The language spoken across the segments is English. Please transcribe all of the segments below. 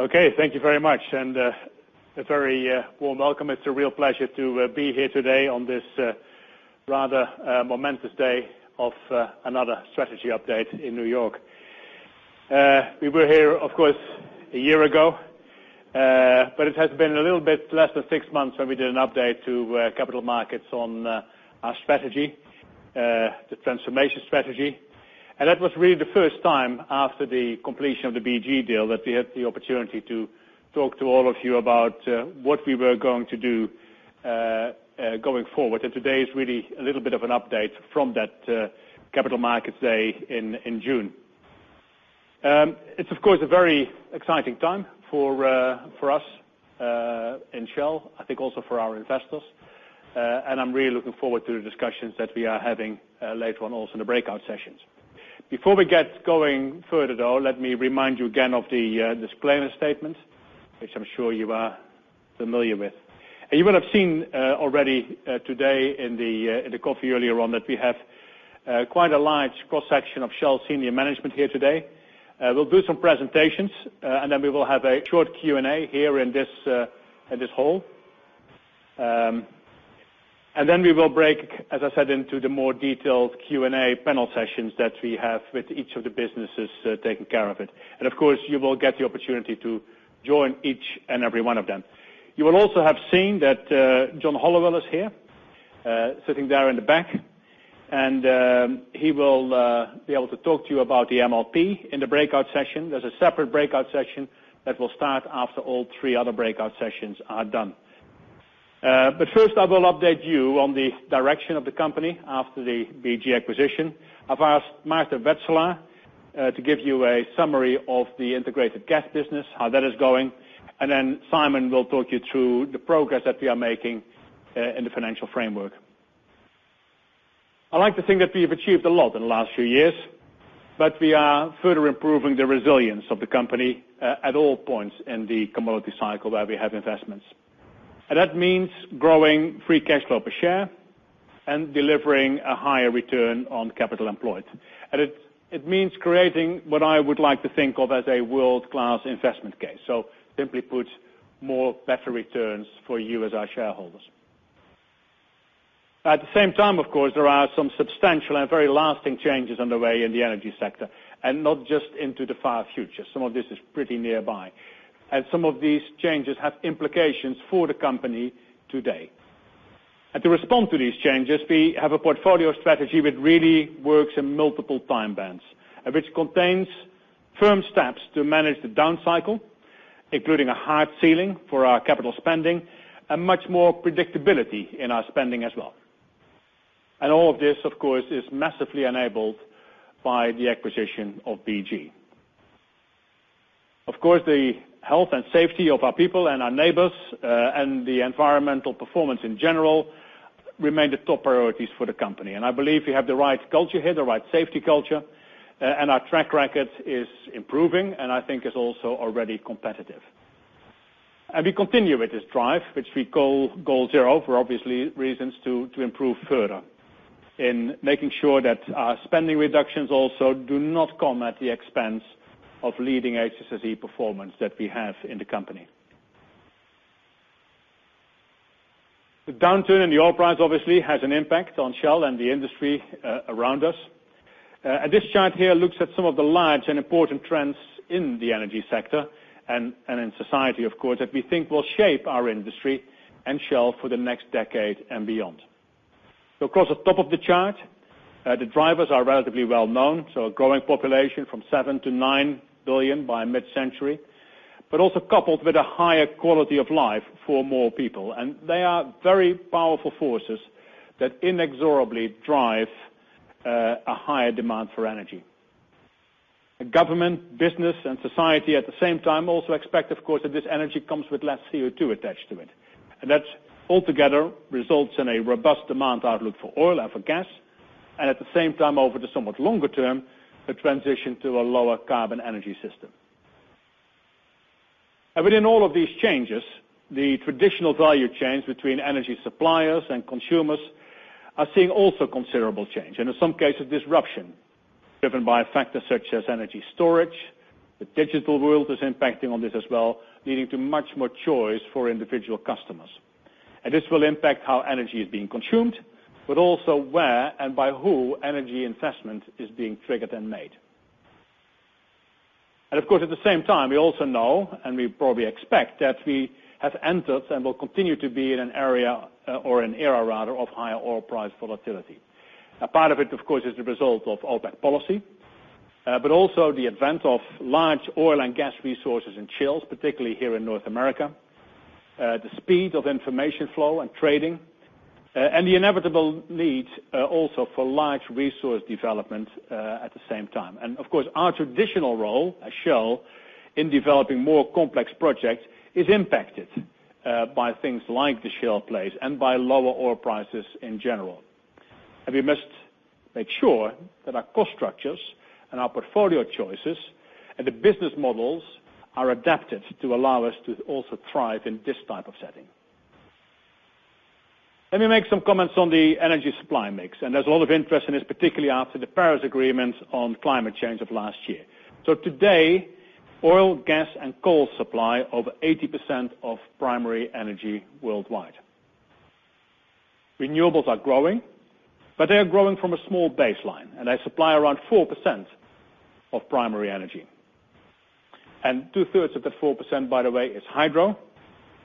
Okay, thank you very much, and a very warm welcome. It's a real pleasure to be here today on this rather momentous day of another strategy update in New York. We were here, of course, a year ago, but it has been a little bit less than six months when we did an update to capital markets on our strategy, the transformation strategy. That was really the first time after the completion of the BG deal that we had the opportunity to talk to all of you about what we were going to do going forward. Today is really a little bit of an update from that capital markets day in June. It's, of course, a very exciting time for us in Shell and I think also for our investors. I'm really looking forward to the discussions that we are having later on also in the breakout sessions. Before we get going further, though, let me remind you again of the disclaimer statement, which I'm sure you are familiar with. You will have seen already today in the coffee earlier on that we have quite a large cross-section of Shell senior management here today. We'll do some presentations, then we will have a short Q&A here in this hall. Then we will break, as I said, into the more detailed Q&A panel sessions that we have with each of the businesses taking care of it. Of course, you will get the opportunity to join each and every one of them. You will also have seen that John Hollowell is here sitting there in the back, and he will be able to talk to you about the MLP in the breakout session. There's a separate breakout session that will start after all three other breakout sessions are done. First, I will update you on the direction of the company after the BG acquisition. I've asked Maarten Wetselaar to give you a summary of the Integrated Gas business, how that is going, then Simon will talk you through the progress that we are making in the financial framework. I like to think that we've achieved a lot in the last few years, but we are further improving the resilience of the company at all points in the commodity cycle where we have investments. That means growing free cash flow per share and delivering a higher return on capital employed. It means creating what I would like to think of as a world-class investment case. Simply put, more better returns for you as our shareholders. At the same time, of course, there are some substantial and very lasting changes underway in the energy sector, not just into the far future. Some of this is pretty nearby. Some of these changes have implications for the company today. To respond to these changes, we have a portfolio strategy that really works in multiple time bands and which contains firm steps to manage the down cycle, including a hard ceiling for our capital spending and much more predictability in our spending as well. All of this, of course, is massively enabled by the acquisition of BG. Of course, the health and safety of our people and our neighbors, and the environmental performance in general remain the top priorities for the company. I believe we have the right culture here, the right safety culture, and our track record is improving and I think is also already competitive. We continue with this drive, which we call Goal Zero for obviously reasons to improve further in making sure that our spending reductions also do not come at the expense of leading HSSE performance that we have in the company. The downturn in the oil price obviously has an impact on Shell and the industry around us. This chart here looks at some of the large and important trends in the energy sector and in society, of course, that we think will shape our industry and Shell for the next decade and beyond. Across the top of the chart, the drivers are relatively well known, a growing population from seven to nine billion by mid-century, but also coupled with a higher quality of life for more people. They are very powerful forces that inexorably drive a higher demand for energy. Government, business, and society at the same time also expect, of course, that this energy comes with less CO2 attached to it. That altogether results in a robust demand outlook for oil and for gas, and at the same time over the somewhat longer term, a transition to a lower carbon energy system. Within all of these changes, the traditional value chains between energy suppliers and consumers are seeing also considerable change, and in some cases disruption driven by factors such as energy storage. The digital world is impacting on this as well, leading to much more choice for individual customers. This will impact how energy is being consumed, but also where and by who energy investment is being triggered and made. Of course, at the same time, we also know, and we probably expect that we have entered and will continue to be in an area or an era rather of higher oil price volatility. A part of it, of course, is the result of OPEC policy, but also the advent of large oil and gas resources in Shales, particularly here in North America, the speed of information flow and trading, and the inevitable need also for large resource development at the same time. Of course, our traditional role as Shell in developing more complex projects is impacted by things like the Shale plays and by lower oil prices in general. We must make sure that our cost structures and our portfolio choices and the business models are adapted to allow us to also thrive in this type of setting. Let me make some comments on the energy supply mix, and there's a lot of interest in this, particularly after the Paris Agreement on climate change of last year. Today, oil, gas, and coal supply over 80% of primary energy worldwide. Renewables are growing, but they are growing from a small baseline, and they supply around 4% of primary energy. Two-thirds of the 4%, by the way, is hydro,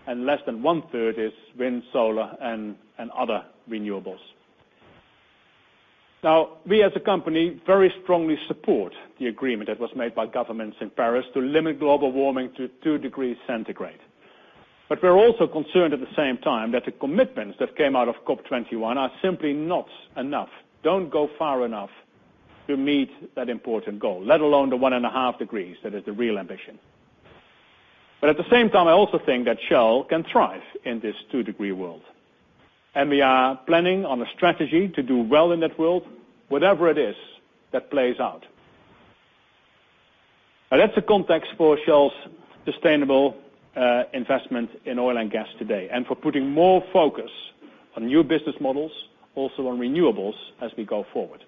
and less than one-third is wind, solar, and other renewables. We as a company very strongly support the agreement that was made by governments in Paris to limit global warming to 2 degrees Celsius. We're also concerned at the same time that the commitments that came out of COP 21 are simply not enough, don't go far enough to meet that important goal, let alone the 1.5 degrees that is the real ambition. At the same time, I also think that Shell can thrive in this 2-degree world. We are planning on a strategy to do well in that world, whatever it is that plays out. That's the context for Shell's sustainable investment in oil and gas today, and for putting more focus on new business models, also on renewables as we go forward.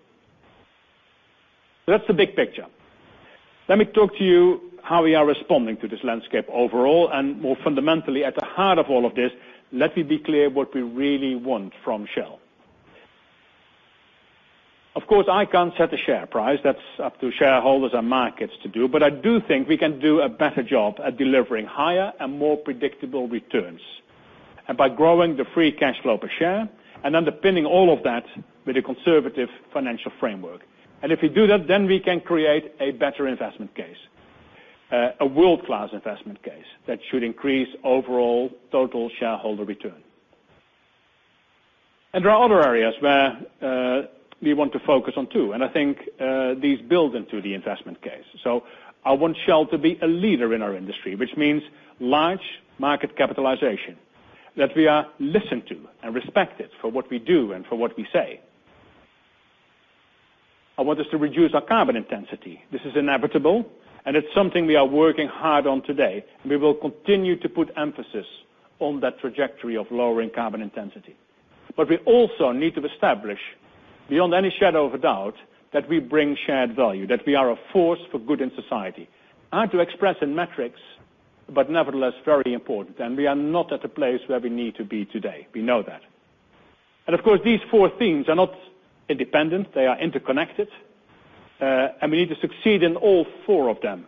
That's the big picture. Let me talk to you how we are responding to this landscape overall. More fundamentally, at the heart of all of this, let me be clear what we really want from Shell. Of course, I can't set a share price. That's up to shareholders and markets to do. I do think we can do a better job at delivering higher and more predictable returns, by growing the free cash flow per share and underpinning all of that with a conservative financial framework. If we do that, then we can create a better investment case, a world-class investment case that should increase overall total shareholder return. There are other areas where we want to focus on, too, and I think these build into the investment case. I want Shell to be a leader in our industry, which means large market capitalization, that we are listened to and respected for what we do and for what we say. I want us to reduce our carbon intensity. This is inevitable, and it's something we are working hard on today. We will continue to put emphasis on that trajectory of lowering carbon intensity. We also need to establish, beyond any shadow of a doubt, that we bring shared value, that we are a force for good in society. Hard to express in metrics, but nevertheless very important, and we are not at the place where we need to be today. We know that. Of course, these four things are not independent. They are interconnected, we need to succeed in all 4 of them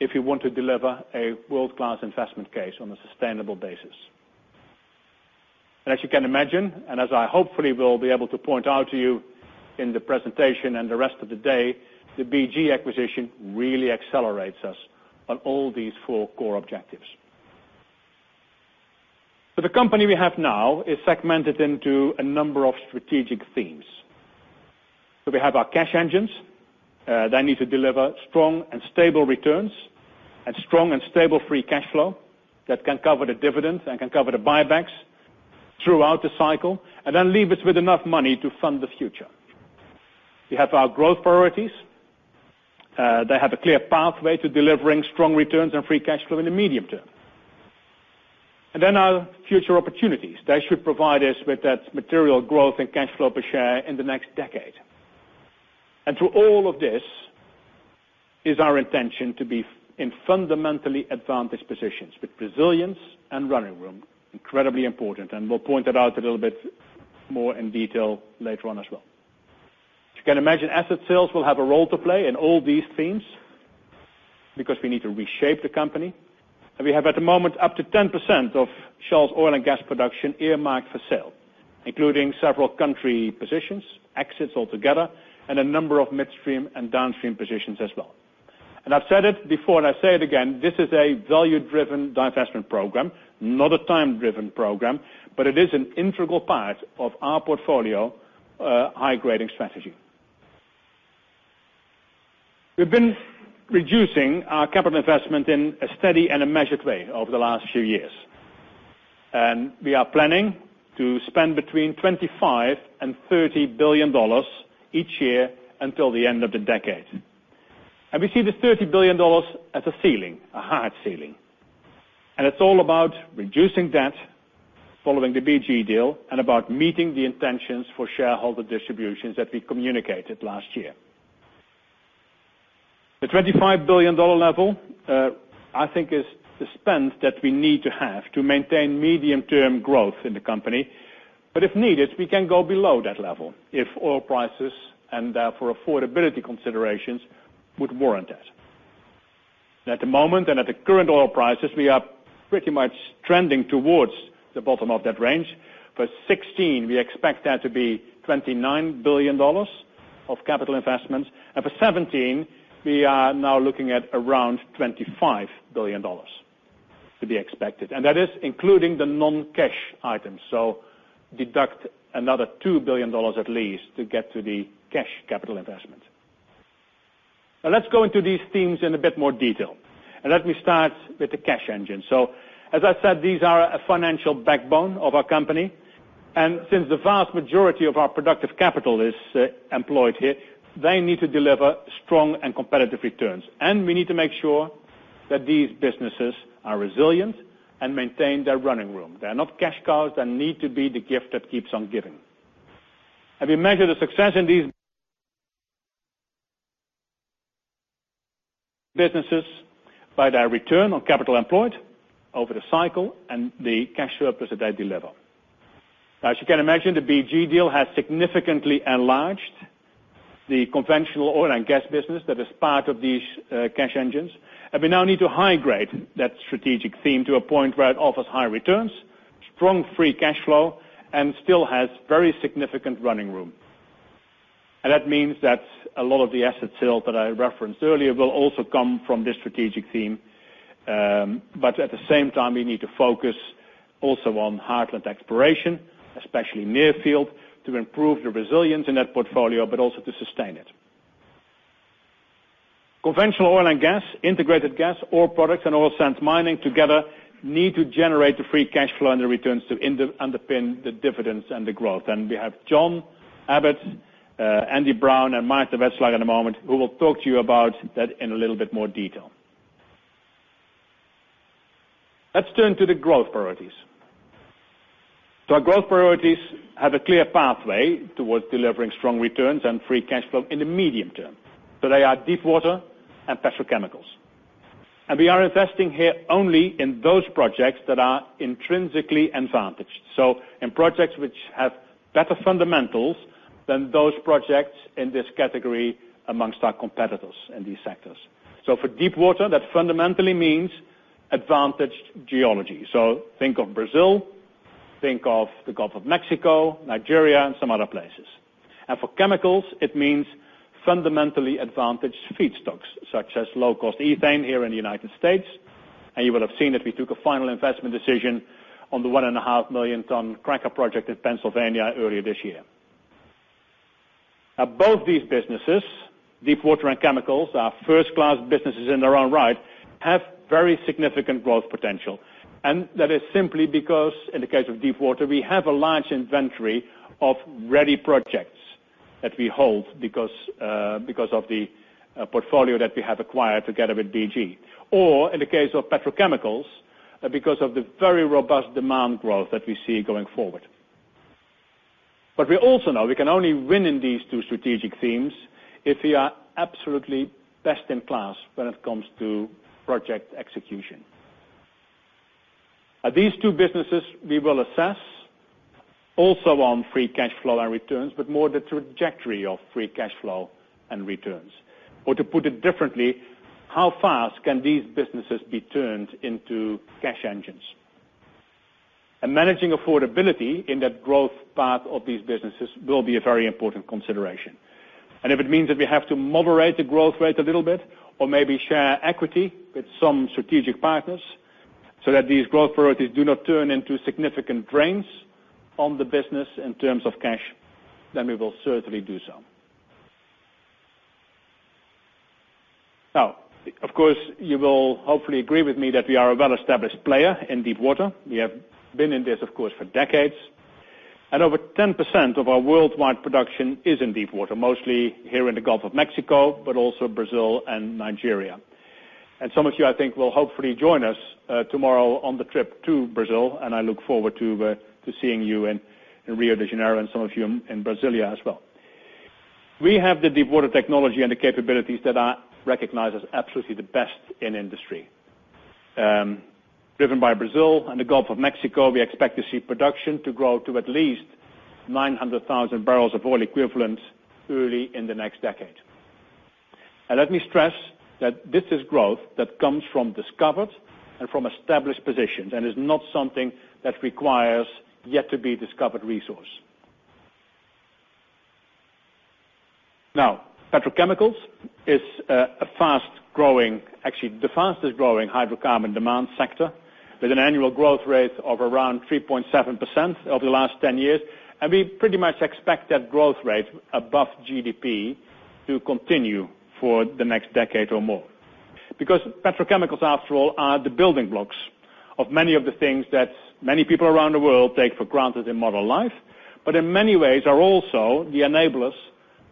if we want to deliver a world-class investment case on a sustainable basis. As you can imagine, and as I hopefully will be able to point out to you in the presentation and the rest of the day, the BG acquisition really accelerates us on all these 4 core objectives. The company we have now is segmented into a number of strategic themes. We have our cash engines. They need to deliver strong and stable returns and strong and stable free cash flow that can cover the dividends and can cover the buybacks throughout the cycle then leave us with enough money to fund the future. We have our growth priorities. They have a clear pathway to delivering strong returns and free cash flow in the medium term. Then our future opportunities. They should provide us with that material growth and cash flow per share in the next decade. Through all of this is our intention to be in fundamentally advantaged positions with resilience and running room. Incredibly important, we'll point that out a little bit more in detail later on as well. As you can imagine, asset sales will have a role to play in all these themes because we need to reshape the company. We have at the moment up to 10% of Shell's oil and gas production earmarked for sale, including several country positions, exits altogether, and a number of midstream and downstream positions as well. I've said it before, I say it again, this is a value-driven divestment program, not a time-driven program, but it is an integral part of our portfolio high-grading strategy. We've been reducing our capital investment in a steady and a measured way over the last few years. We are planning to spend between $25 billion-$30 billion each year until the end of the decade. We see this $30 billion as a ceiling, a hard ceiling. It's all about reducing debt following the BG deal and about meeting the intentions for shareholder distributions that we communicated last year. The $25 billion level, I think, is the spend that we need to have to maintain medium-term growth in the company. If needed, we can go below that level if oil prices and therefore affordability considerations would warrant it. At the moment and at the current oil prices, we are pretty much trending towards the bottom of that range. For 2016, we expect that to be $29 billion of capital investments, for 2017, we are now looking at around $25 billion to be expected. That is including the non-cash items, deduct another $2 billion at least to get to the cash capital investment. Let's go into these themes in a bit more detail, let me start with the cash engine. As I said, these are a financial backbone of our company, since the vast majority of our productive capital is employed here, they need to deliver strong and competitive returns. We need to make sure that these businesses are resilient and maintain their running room. They are not cash cows that need to be the gift that keeps on giving. We measure the success in these businesses by their return on capital employed over the cycle and the cash surplus that they deliver. As you can imagine, the BG deal has significantly enlarged the conventional oil and gas business that is part of these cash engines. We now need to high-grade that strategic theme to a point where it offers high returns, strong free cash flow, and still has very significant running room. That means that a lot of the asset sales that I referenced earlier will also come from this strategic theme, at the same time, we need to focus also on heartland exploration, especially near field, to improve the resilience in that portfolio, also to sustain it. Conventional oil and gas, Integrated Gas, oil products, and oil sands mining together need to generate the free cash flow and the returns to underpin the dividends and the growth. We have John Abbott, Andy Brown, and Maarten Wetselaar in a moment, who will talk to you about that in a little bit more detail. Let's turn to the growth priorities. Our growth priorities have a clear pathway towards delivering strong returns and free cash flow in the medium term. They are deepwater and petrochemicals. We are investing here only in those projects that are intrinsically advantaged, so in projects which have better fundamentals than those projects in this category amongst our competitors in these sectors. For deepwater, that fundamentally means advantaged geology. Think of Brazil, think of the Gulf of Mexico, Nigeria, and some other places. For chemicals, it means fundamentally advantaged feedstocks, such as low-cost ethane here in the U.S. You will have seen that we took a final investment decision on the 1.5 million ton cracker project in Pennsylvania earlier this year. Both these businesses, deepwater and chemicals, are first-class businesses in their own right, have very significant growth potential. That is simply because in the case of deepwater, we have a large inventory of ready projects that we hold because of the portfolio that we have acquired together with BG. In the case of petrochemicals, because of the very robust demand growth that we see going forward. We also know we can only win in these two strategic themes if we are absolutely best in class when it comes to project execution. These two businesses we will assess also on free cash flow and returns, but more the trajectory of free cash flow and returns. To put it differently, how fast can these businesses be turned into cash engines? Managing affordability in that growth path of these businesses will be a very important consideration. If it means that we have to moderate the growth rate a little bit or maybe share equity with some strategic partners so that these growth priorities do not turn into significant drains on the business in terms of cash, then we will certainly do so. Of course, you will hopefully agree with me that we are a well-established player in deepwater. We have been in this, of course, for decades. Over 10% of our worldwide production is in deepwater, mostly here in the Gulf of Mexico, but also Brazil and Nigeria. Some of you, I think, will hopefully join us tomorrow on the trip to Brazil, and I look forward to seeing you in Rio de Janeiro and some of you in Brasília as well. We have the deepwater technology and the capabilities that are recognized as absolutely the best in industry. Driven by Brazil and the Gulf of Mexico, we expect to see production to grow to at least 900,000 barrels of oil equivalent early in the next decade. Let me stress that this is growth that comes from discovered and from established positions and is not something that requires yet to be discovered resource. Petrochemicals is a fast-growing, actually the fastest growing hydrocarbon demand sector with an annual growth rate of around 3.7% over the last 10 years. We pretty much expect that growth rate above GDP to continue for the next decade or more. petrochemicals, after all, are the building blocks of many of the things that many people around the world take for granted in modern life, but in many ways are also the enablers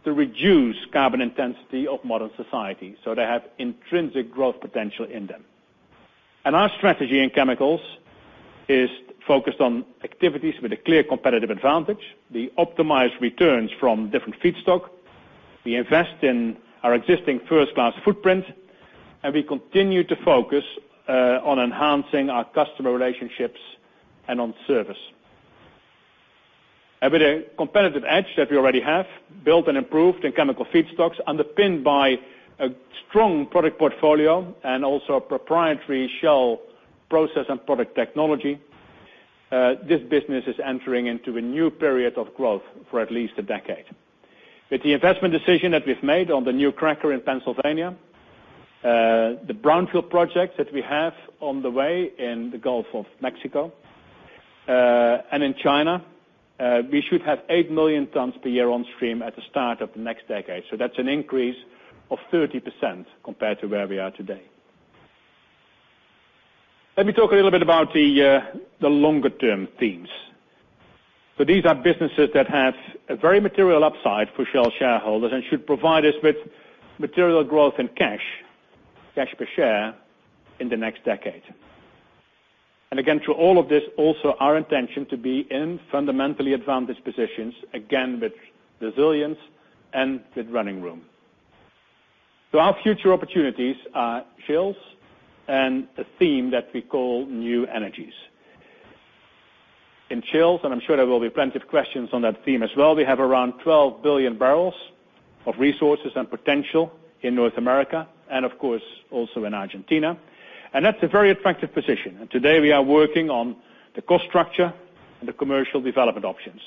to reduce carbon intensity of modern society. They have intrinsic growth potential in them. Our strategy in chemicals is focused on activities with a clear competitive advantage, the optimized returns from different feedstock. We invest in our existing first-class footprint, and we continue to focus on enhancing our customer relationships and on service. With a competitive edge that we already have, built and improved in chemical feedstocks, underpinned by a strong product portfolio and also proprietary Shell process and product technology, this business is entering into a new period of growth for at least a decade. With the investment decision that we've made on the new cracker in Pennsylvania, the brownfield project that we have on the way in the Gulf of Mexico, and in China, we should have 8 million tons per year on stream at the start of the next decade. That's an increase of 30% compared to where we are today. Let me talk a little bit about the longer-term themes. These are businesses that have a very material upside for Shell shareholders and should provide us with material growth in cash per share in the next decade. Again, through all of this, also our intention to be in fundamentally advantaged positions, again, with resilience and with running room. Our future opportunities are Shales and a theme that we call New Energies. In Shales, and I'm sure there will be plenty of questions on that theme as well, we have around 12 billion barrels of resources and potential in North America and of course, also in Argentina. That's a very attractive position. Today we are working on the cost structure and the commercial development options.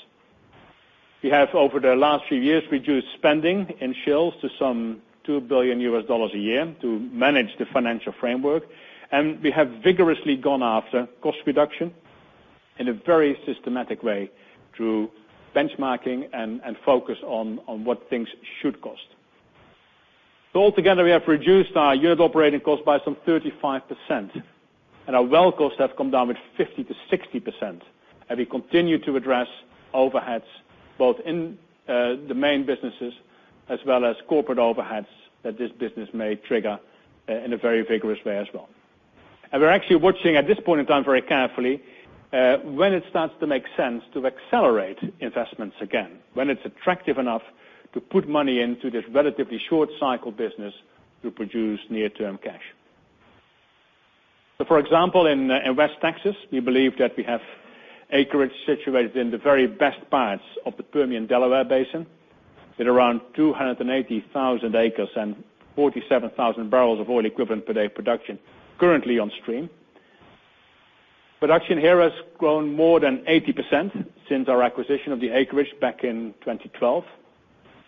We have over the last few years reduced spending in Shales to some $2 billion USD a year to manage the financial framework. We have vigorously gone after cost reduction in a very systematic way through benchmarking and focus on what things should cost. Altogether, we have reduced our unit operating cost by some 35%, and our well costs have come down with 50%-60%, and we continue to address overheads both in the main businesses as well as corporate overheads that this business may trigger in a very vigorous way as well. We're actually watching at this point in time very carefully, when it starts to make sense to accelerate investments again, when it's attractive enough to put money into this relatively short cycle business to produce near-term cash. For example, in West Texas, we believe that we have acreage situated in the very best parts of the Permian Delaware Basin with around 280,000 acres and 47,000 barrels of oil equivalent per day production currently on stream. Production here has grown more than 80% since our acquisition of the acreage back in 2012,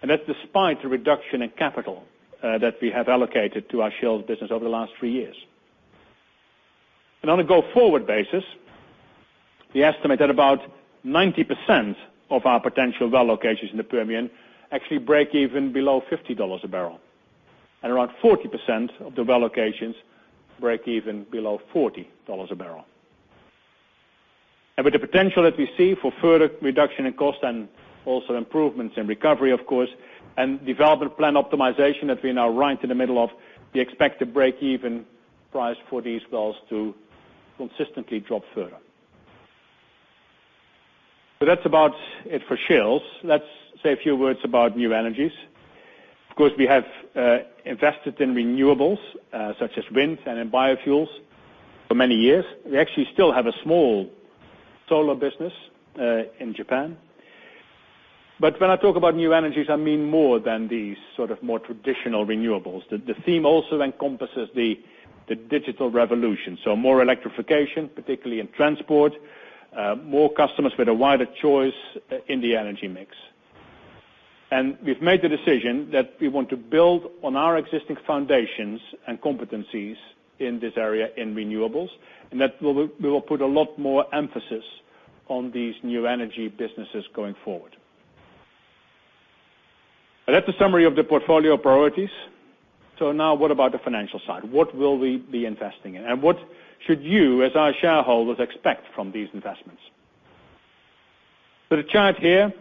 and that's despite the reduction in capital that we have allocated to our Shales business over the last three years. On a go-forward basis, we estimate that about 90% of our potential well locations in the Permian actually break even below $50 a barrel, and around 40% of the well locations break even below $40 a barrel. With the potential that we see for further reduction in cost and also improvements in recovery, of course, and development plan optimization that we are now right in the middle of, we expect a break-even price for these wells to consistently drop further. That's about it for Shales. Let's say a few words about New Energies. We have invested in renewables such as wind and in biofuels for many years. We actually still have a small solar business in Japan. When I talk about New Energies, I mean more than these sort of more traditional renewables. The theme also encompasses the digital revolution. More electrification, particularly in transport, more customers with a wider choice in the energy mix. We've made the decision that we want to build on our existing foundations and competencies in this area in renewables, and that we will put a lot more emphasis on these new energy businesses going forward. That's a summary of the portfolio priorities. Now what about the financial side? What will we be investing in? What should you, as our shareholders, expect from these investments? The chart here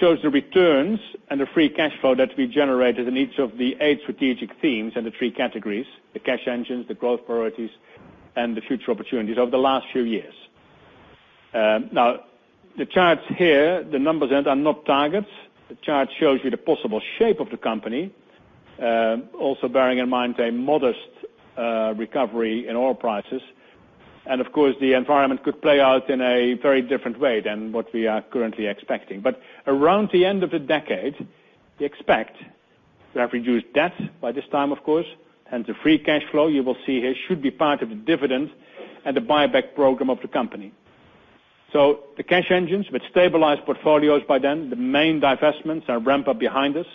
shows the returns and the free cash flow that we generated in each of the eight strategic themes and the three categories, the cash engines, the growth priorities, and the future opportunities over the last few years. The charts here, the numbers are not targets. The chart shows you the possible shape of the company, also bearing in mind a modest recovery in oil prices. Of course, the environment could play out in a very different way than what we are currently expecting. Around the end of the decade, we expect to have reduced debt by this time, of course, and the free cash flow you will see here should be part of the dividend and the buyback program of the company. The cash engines with stabilized portfolios by then, the main divestments and ramp up behind us.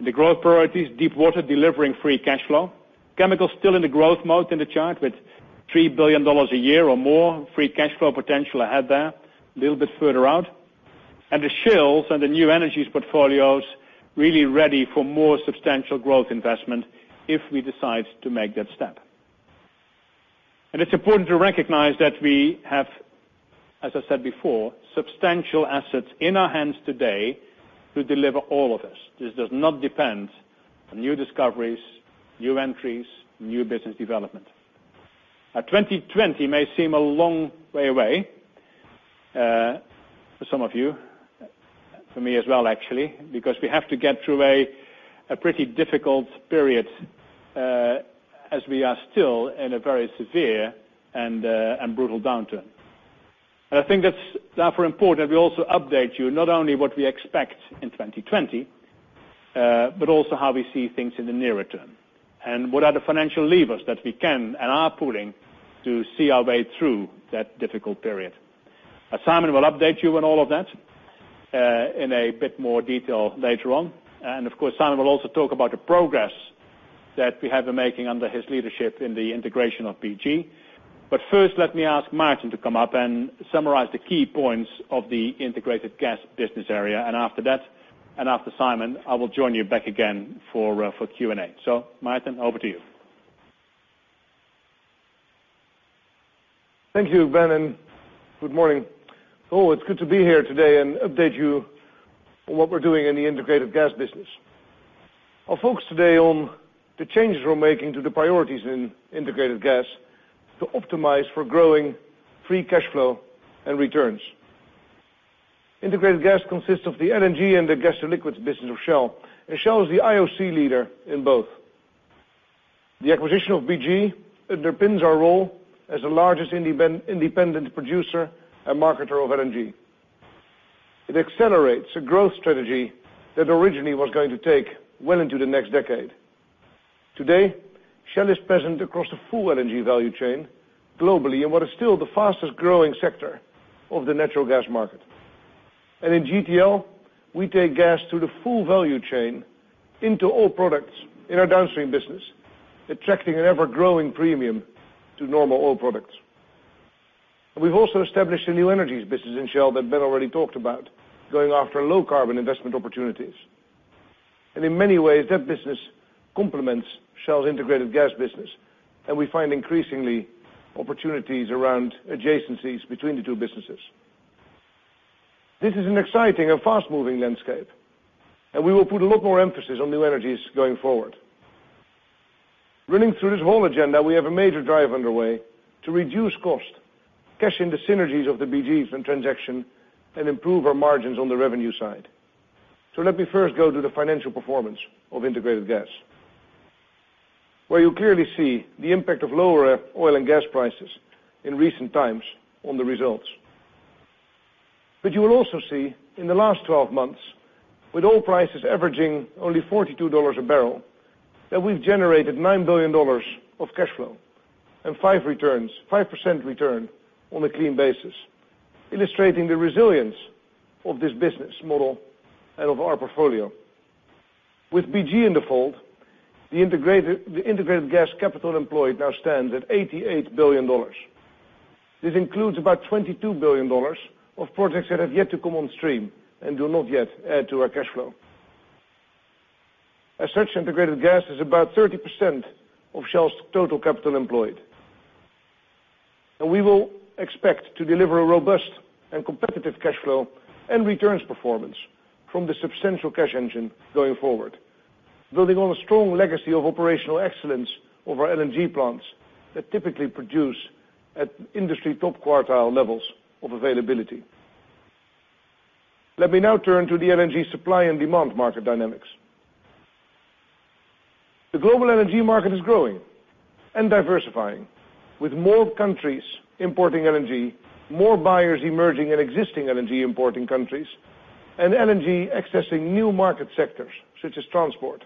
The growth priorities, deepwater delivering free cash flow. Chemicals still in the growth mode in the chart with $3 billion a year or more free cash flow potential ahead there, a little bit further out. The Shales and the New Energies portfolios really ready for more substantial growth investment if we decide to make that step. It's important to recognize that we have, as I said before, substantial assets in our hands today to deliver all of this. This does not depend on new discoveries, new entries, new business development. 2020 may seem a long way away for some of you, for me as well, actually, because we have to get through a pretty difficult period as we are still in a very severe and brutal downturn. I think that's therefore important we also update you not only what we expect in 2020, but also how we see things in the nearer term, and what are the financial levers that we can and are pulling to see our way through that difficult period. Simon will update you on all of that in a bit more detail later on. Of course, Simon will also talk about the progress that we have been making under his leadership in the integration of BG. First, let me ask Maarten to come up and summarize the key points of the Integrated Gas Business Area. After that, and after Simon, I will join you back again for Q&A. Maarten, over to you. Thank you, Ben, and good morning. It's good to be here today and update you on what we're doing in the Integrated Gas Business. I'll focus today on the changes we're making to the priorities in Integrated Gas to optimize for growing free cash flow and returns. Integrated Gas consists of the LNG and the gas to liquids business of Shell. Shell is the IOC leader in both. The acquisition of BG underpins our role as the largest independent producer and marketer of LNG. It accelerates a growth strategy that originally was going to take well into the next decade. Today, Shell is present across the full LNG value chain globally in what is still the fastest growing sector of the natural gas market. In GTL, we take gas through the full value chain into all products in our downstream business, attracting an ever-growing premium to normal oil products. We've also established a New Energies Business in Shell that Ben already talked about, going after low-carbon investment opportunities. In many ways, that business complements Shell's Integrated Gas Business, and we find increasingly opportunities around adjacencies between the two businesses. This is an exciting and fast-moving landscape, and we will put a lot more emphasis on New Energies going forward. Running through this whole agenda, we have a major drive underway to reduce cost, cash in the synergies of the BGs and transaction, and improve our margins on the revenue side. Let me first go to the financial performance of Integrated Gas, where you clearly see the impact of lower oil and gas prices in recent times on the results. You will also see in the last 12 months, with oil prices averaging only $42 a barrel, that we've generated $9 billion of cash flow and 5% return on a clean basis, illustrating the resilience of this business model and of our portfolio. With BG in the fold, the Integrated Gas capital employed now stands at $88 billion. This includes about $22 billion of projects that have yet to come on stream and do not yet add to our cash flow. As such, Integrated Gas is about 30% of Shell's total capital employed. We will expect to deliver a robust and competitive cash flow and returns performance from the substantial cash engine going forward, building on a strong legacy of operational excellence of our LNG plants that typically produce at industry top quartile levels of availability. Let me now turn to the LNG supply and demand market dynamics. The global LNG market is growing and diversifying, with more countries importing LNG, more buyers emerging in existing LNG importing countries, and LNG accessing new market sectors, such as transport.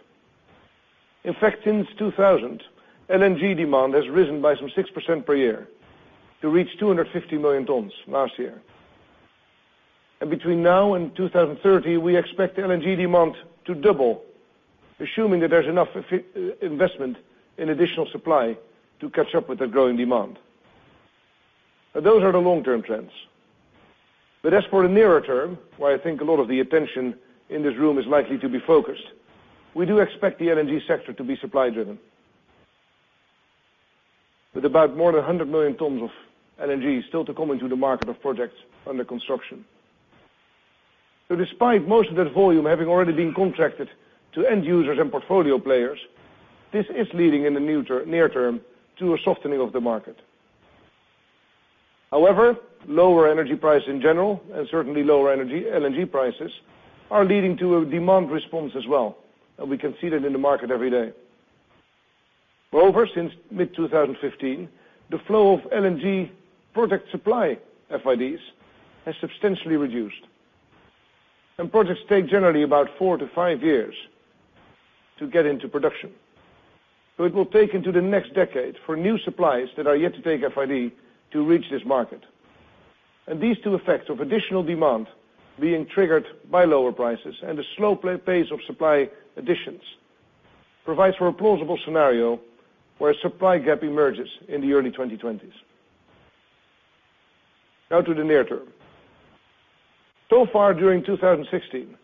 In fact, since 2000, LNG demand has risen by some 6% per year to reach 250 million tons last year. Between now and 2030, we expect LNG demand to double, assuming that there's enough investment in additional supply to catch up with the growing demand. Those are the long-term trends. As for the nearer term, where I think a lot of the attention in this room is likely to be focused, we do expect the LNG sector to be supply driven, with about more than 100 million tons of LNG still to come into the market of projects under construction. Despite most of that volume having already been contracted to end users and portfolio players, this is leading in the near term to a softening of the market. However, lower energy price in general, and certainly lower LNG prices, are leading to a demand response as well, and we can see that in the market every day. Moreover, since mid-2015, the flow of LNG project supply FIDs has substantially reduced. Projects take generally about 4-5 years to get into production. It will take into the next decade for new supplies that are yet to take FID to reach this market. These two effects of additional demand being triggered by lower prices and a slow pace of supply additions provides for a plausible scenario where a supply gap emerges in the early 2020s. Now to the near term. Far during 2016,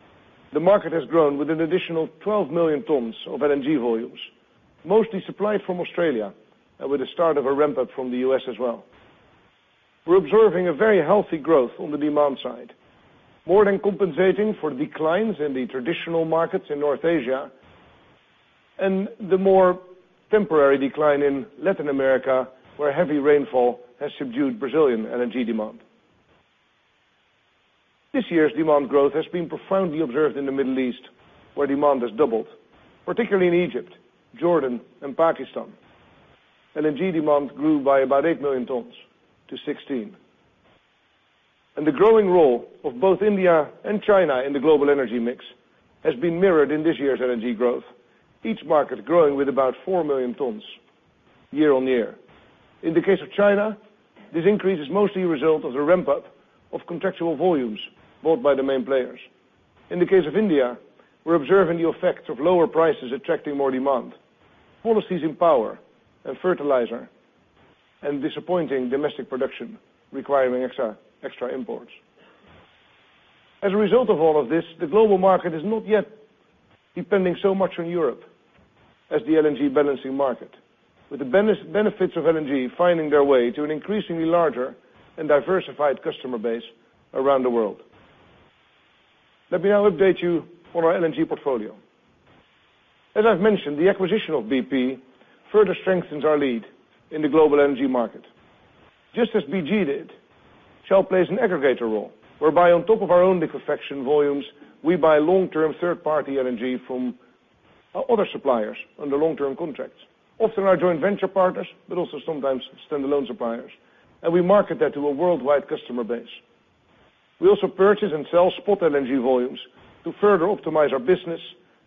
the market has grown with an additional 12 million tons of LNG volumes, mostly supplied from Australia, and with the start of a ramp up from the U.S. as well. We're observing a very healthy growth on the demand side, more than compensating for declines in the traditional markets in North Asia and the more temporary decline in Latin America, where heavy rainfall has subdued Brazilian LNG demand. This year's demand growth has been profoundly observed in the Middle East, where demand has doubled, particularly in Egypt, Jordan, and Pakistan. LNG demand grew by about 8 million tons to 16 million tons. The growing role of both India and China in the global energy mix has been mirrored in this year's LNG growth, each market growing with about 4 million tons year-on-year. In the case of China, this increase is mostly a result of the ramp up of contractual volumes bought by the main players. In the case of India, we're observing the effect of lower prices attracting more demand, policies in power and fertilizer, and disappointing domestic production requiring extra imports. A result of all of this, the global market is not yet depending so much on Europe as the LNG balancing market. With the benefits of LNG finding their way to an increasingly larger and diversified customer base around the world. Let me now update you on our LNG portfolio. As I've mentioned, the acquisition of BG further strengthens our lead in the global LNG market. Just as BG did, Shell plays an aggregator role, whereby on top of our own liquefaction volumes, we buy long-term third-party LNG from other suppliers under long-term contracts, often our joint venture partners, but also sometimes standalone suppliers, and we market that to a worldwide customer base. We also purchase and sell spot LNG volumes to further optimize our business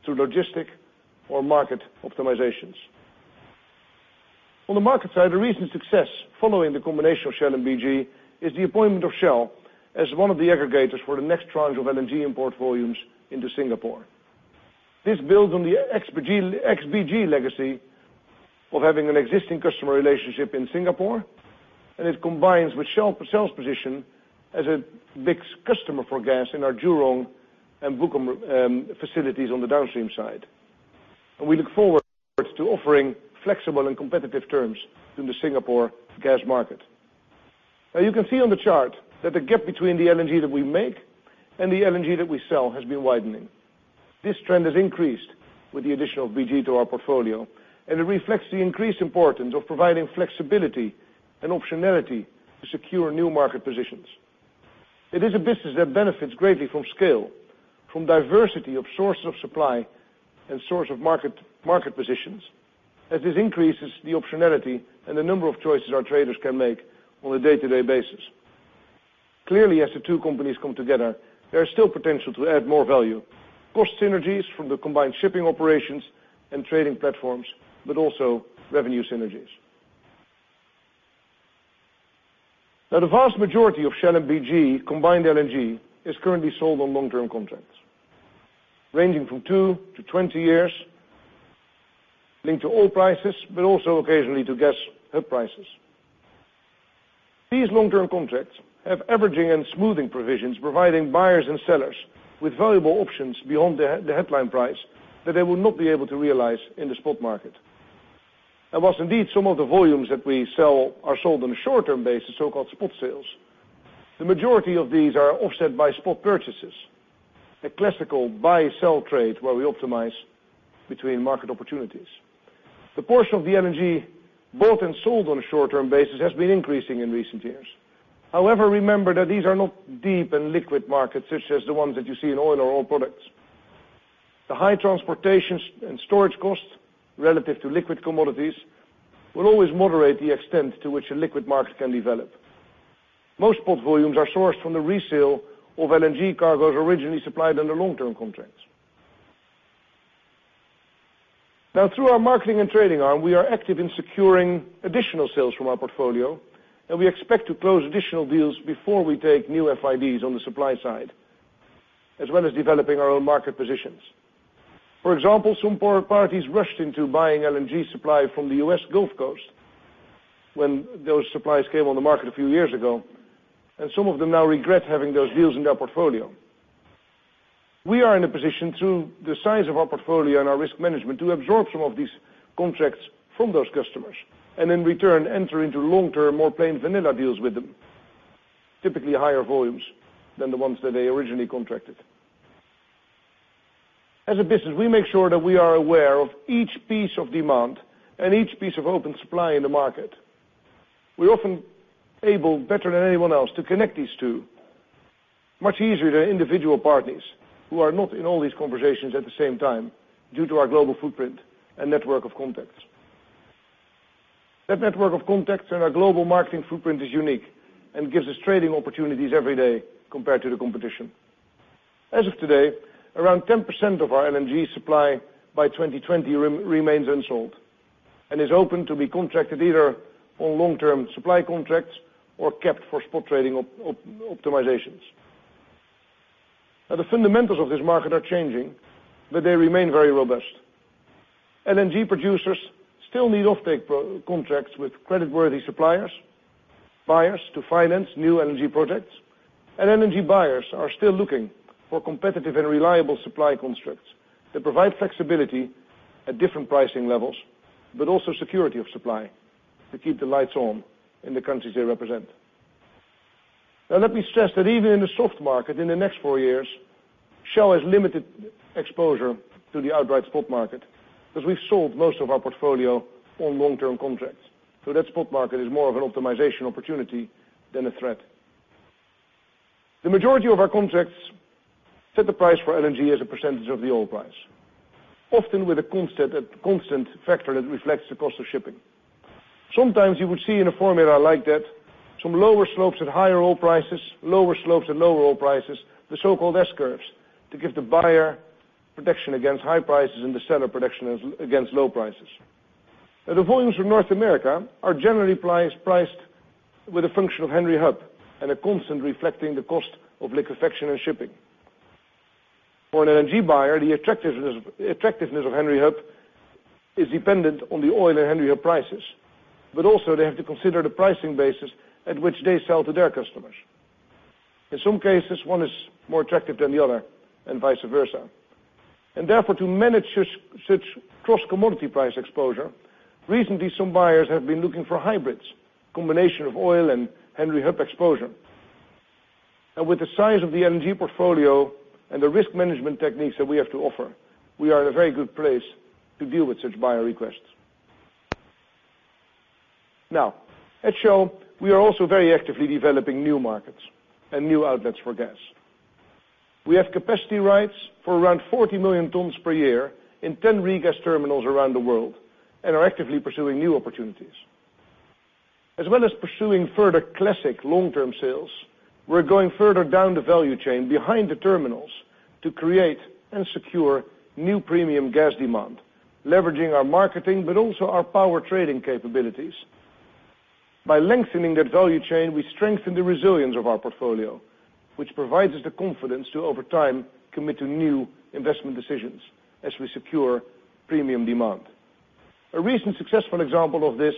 through logistic or market optimizations. On the market side, the recent success following the combination of Shell and BG is the appointment of Shell as one of the aggregators for the next tranche of LNG import volumes into Singapore. This builds on the ex-BG legacy of having an existing customer relationship in Singapore, and it combines with Shell's position as a big customer for gas in our Jurong and Bukom facilities on the downstream side. We look forward to offering flexible and competitive terms in the Singapore gas market. Now you can see on the chart that the gap between the LNG that we make and the LNG that we sell has been widening. This trend has increased with the addition of BG to our portfolio, and it reflects the increased importance of providing flexibility and optionality to secure new market positions. It is a business that benefits greatly from scale, from diversity of sources of supply and source of market positions, as this increases the optionality and the number of choices our traders can make on a day-to-day basis. Clearly, as the two companies come together, there is still potential to add more value, cost synergies from the combined shipping operations and trading platforms, but also revenue synergies. Now the vast majority of Shell and BG combined LNG is currently sold on long-term contracts ranging from two to 20 years, linked to oil prices, but also occasionally to gas hub prices. These long-term contracts have averaging and smoothing provisions providing buyers and sellers with valuable options beyond the headline price that they would not be able to realize in the spot market. Whilst indeed some of the volumes that we sell are sold on a short-term basis, so-called spot sales, the majority of these are offset by spot purchases, a classical buy/sell trade where we optimize between market opportunities. The portion of the LNG bought and sold on a short-term basis has been increasing in recent years. However, remember that these are not deep and liquid markets such as the ones that you see in oil or oil products. The high transportation and storage costs relative to liquid commodities will always moderate the extent to which a liquid market can develop. Most spot volumes are sourced from the resale of LNG cargoes originally supplied under long-term contracts. Now through our marketing and trading arm, we are active in securing additional sales from our portfolio, and we expect to close additional deals before we take new FIDs on the supply side, as well as developing our own market positions. For example, some parties rushed into buying LNG supply from the US Gulf Coast when those supplies came on the market a few years ago, and some of them now regret having those deals in their portfolio. We are in a position, through the size of our portfolio and our risk management, to absorb some of these contracts from those customers, and in return, enter into long-term, more plain vanilla deals with them, typically higher volumes than the ones that they originally contracted. As a business, we make sure that we are aware of each piece of demand and each piece of open supply in the market. We're often able, better than anyone else, to connect these two much easier than individual partners who are not in all these conversations at the same time due to our global footprint and network of contacts. That network of contacts and our global marketing footprint is unique and gives us trading opportunities every day compared to the competition. As of today, around 10% of our LNG supply by 2020 remains unsold and is open to be contracted either on long-term supply contracts or kept for spot trading optimizations. The fundamentals of this market are changing, but they remain very robust. LNG producers still need offtake contracts with creditworthy suppliers, buyers to finance new LNG projects, and LNG buyers are still looking for competitive and reliable supply constructs that provide flexibility at different pricing levels, but also security of supply to keep the lights on in the countries they represent. Let me stress that even in a soft market in the next four years, Shell has limited exposure to the outright spot market because we've sold most of our portfolio on long-term contracts. That spot market is more of an optimization opportunity than a threat. The majority of our contracts set the price for LNG as a percentage of the oil price, often with a constant factor that reflects the cost of shipping. Sometimes you will see in a formula like that some lower slopes at higher oil prices, lower slopes at lower oil prices, the so-called S curves, to give the buyer protection against high prices and the seller protection against low prices. The volumes from North America are generally priced with a function of Henry Hub and are constantly reflecting the cost of liquefaction and shipping. For an LNG buyer, the attractiveness of Henry Hub is dependent on the oil and Henry Hub prices, but also they have to consider the pricing basis at which they sell to their customers. In some cases, one is more attractive than the other and vice versa. Therefore, to manage such cross-commodity price exposure, recently some buyers have been looking for hybrids, combination of oil and Henry Hub exposure. With the size of the LNG portfolio and the risk management techniques that we have to offer, we are in a very good place to deal with such buyer requests. At Shell, we are also very actively developing new markets and new outlets for gas. We have capacity rights for around 40 million tons per year in 10 regas terminals around the world and are actively pursuing new opportunities. As well as pursuing further classic long-term sales, we're going further down the value chain behind the terminals to create and secure new premium gas demand, leveraging our marketing, but also our power trading capabilities. By lengthening that value chain, we strengthen the resilience of our portfolio, which provides us the confidence to, over time, commit to new investment decisions as we secure premium demand. A recent successful example of this,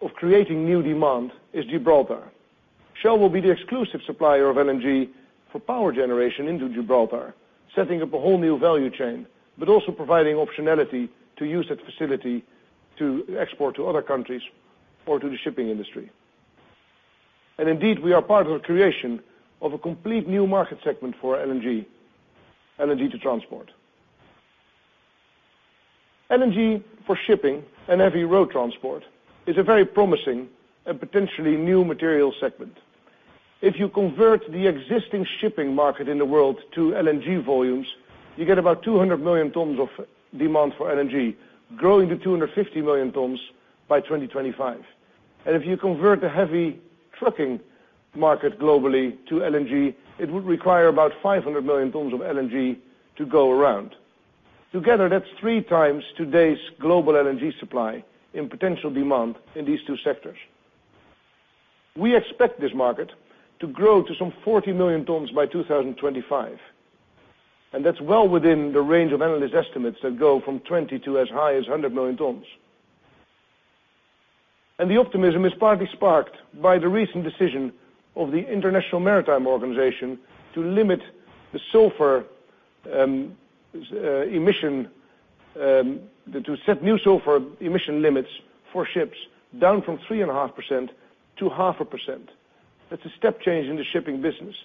of creating new demand, is Gibraltar. Shell will be the exclusive supplier of LNG for power generation into Gibraltar, setting up a whole new value chain, but also providing optionality to use that facility to export to other countries or to the shipping industry. Indeed, we are part of the creation of a complete new market segment for LNG to transport. LNG for shipping and heavy road transport is a very promising and potentially new material segment. If you convert the existing shipping market in the world to LNG volumes, you get about 200 million tons of demand for LNG, growing to 250 million tons by 2025. If you convert the heavy trucking market globally to LNG, it would require about 500 million tons of LNG to go around. Together, that's three times today's global LNG supply in potential demand in these two sectors. We expect this market to grow to some 40 million tons by 2025, that's well within the range of analyst estimates that go from 20 to as high as 100 million tons. The optimism is partly sparked by the recent decision of the International Maritime Organization to set new sulfur emission limits for ships down from 3.5% to 0.5%. That's a step change in the shipping business,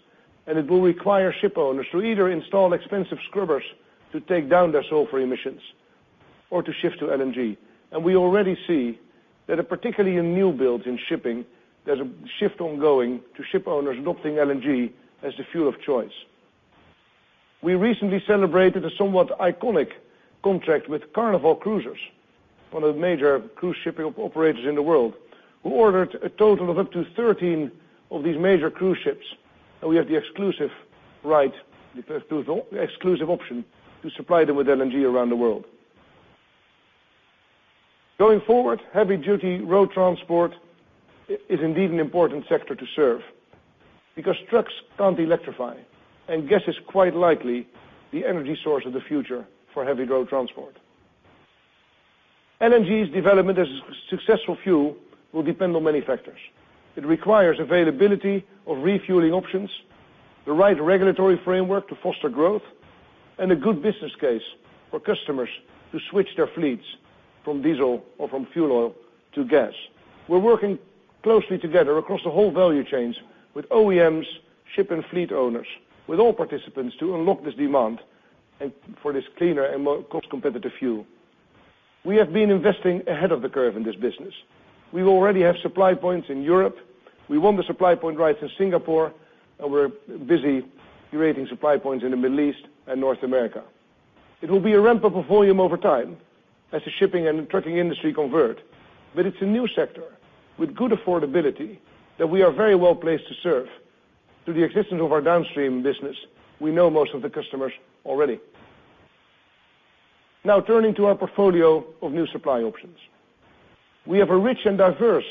it will require ship owners to either install expensive scrubbers to take down their sulfur emissions or to shift to LNG. We already see that particularly in new builds in shipping, there's a shift ongoing to ship owners adopting LNG as the fuel of choice. We recently celebrated a somewhat iconic contract with Carnival Cruises, one of the major cruise shipping operators in the world, who ordered a total of up to 13 of these major cruise ships. We have the exclusive option to supply them with LNG around the world. Going forward, heavy-duty road transport is indeed an important sector to serve because trucks can't electrify, gas is quite likely the energy source of the future for heavy road transport. LNG's development as a successful fuel will depend on many factors. It requires availability of refueling options, the right regulatory framework to foster growth, a good business case for customers to switch their fleets from diesel or from fuel oil to gas. We're working closely together across the whole value chains with OEMs, ship and fleet owners, with all participants to unlock this demand for this cleaner and more cost-competitive fuel. We have been investing ahead of the curve in this business. We already have supply points in Europe. We won the supply point rights in Singapore, we're busy creating supply points in the Middle East and North America. It will be a ramp of a volume over time as the shipping and trucking industry convert. It's a new sector with good affordability that we are very well placed to serve through the existence of our downstream business. We know most of the customers already. Now turning to our portfolio of new supply options. We have a rich and diverse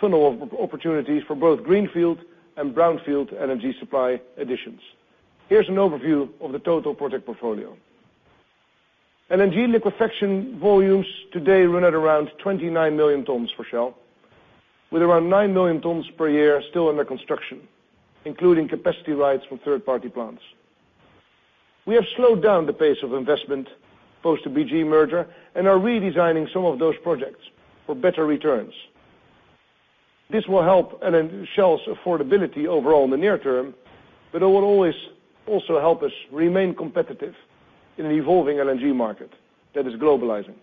funnel of opportunities for both greenfield and brownfield LNG supply additions. Here's an overview of the total project portfolio. LNG liquefaction volumes today run at around 29 million tons for Shell, with around nine million tons per year still under construction, including capacity rights from third-party plants. We have slowed down the pace of investment post the BG merger and are redesigning some of those projects for better returns. This will help Shell's affordability overall in the near term, but it will always also help us remain competitive in an evolving LNG market that is globalizing.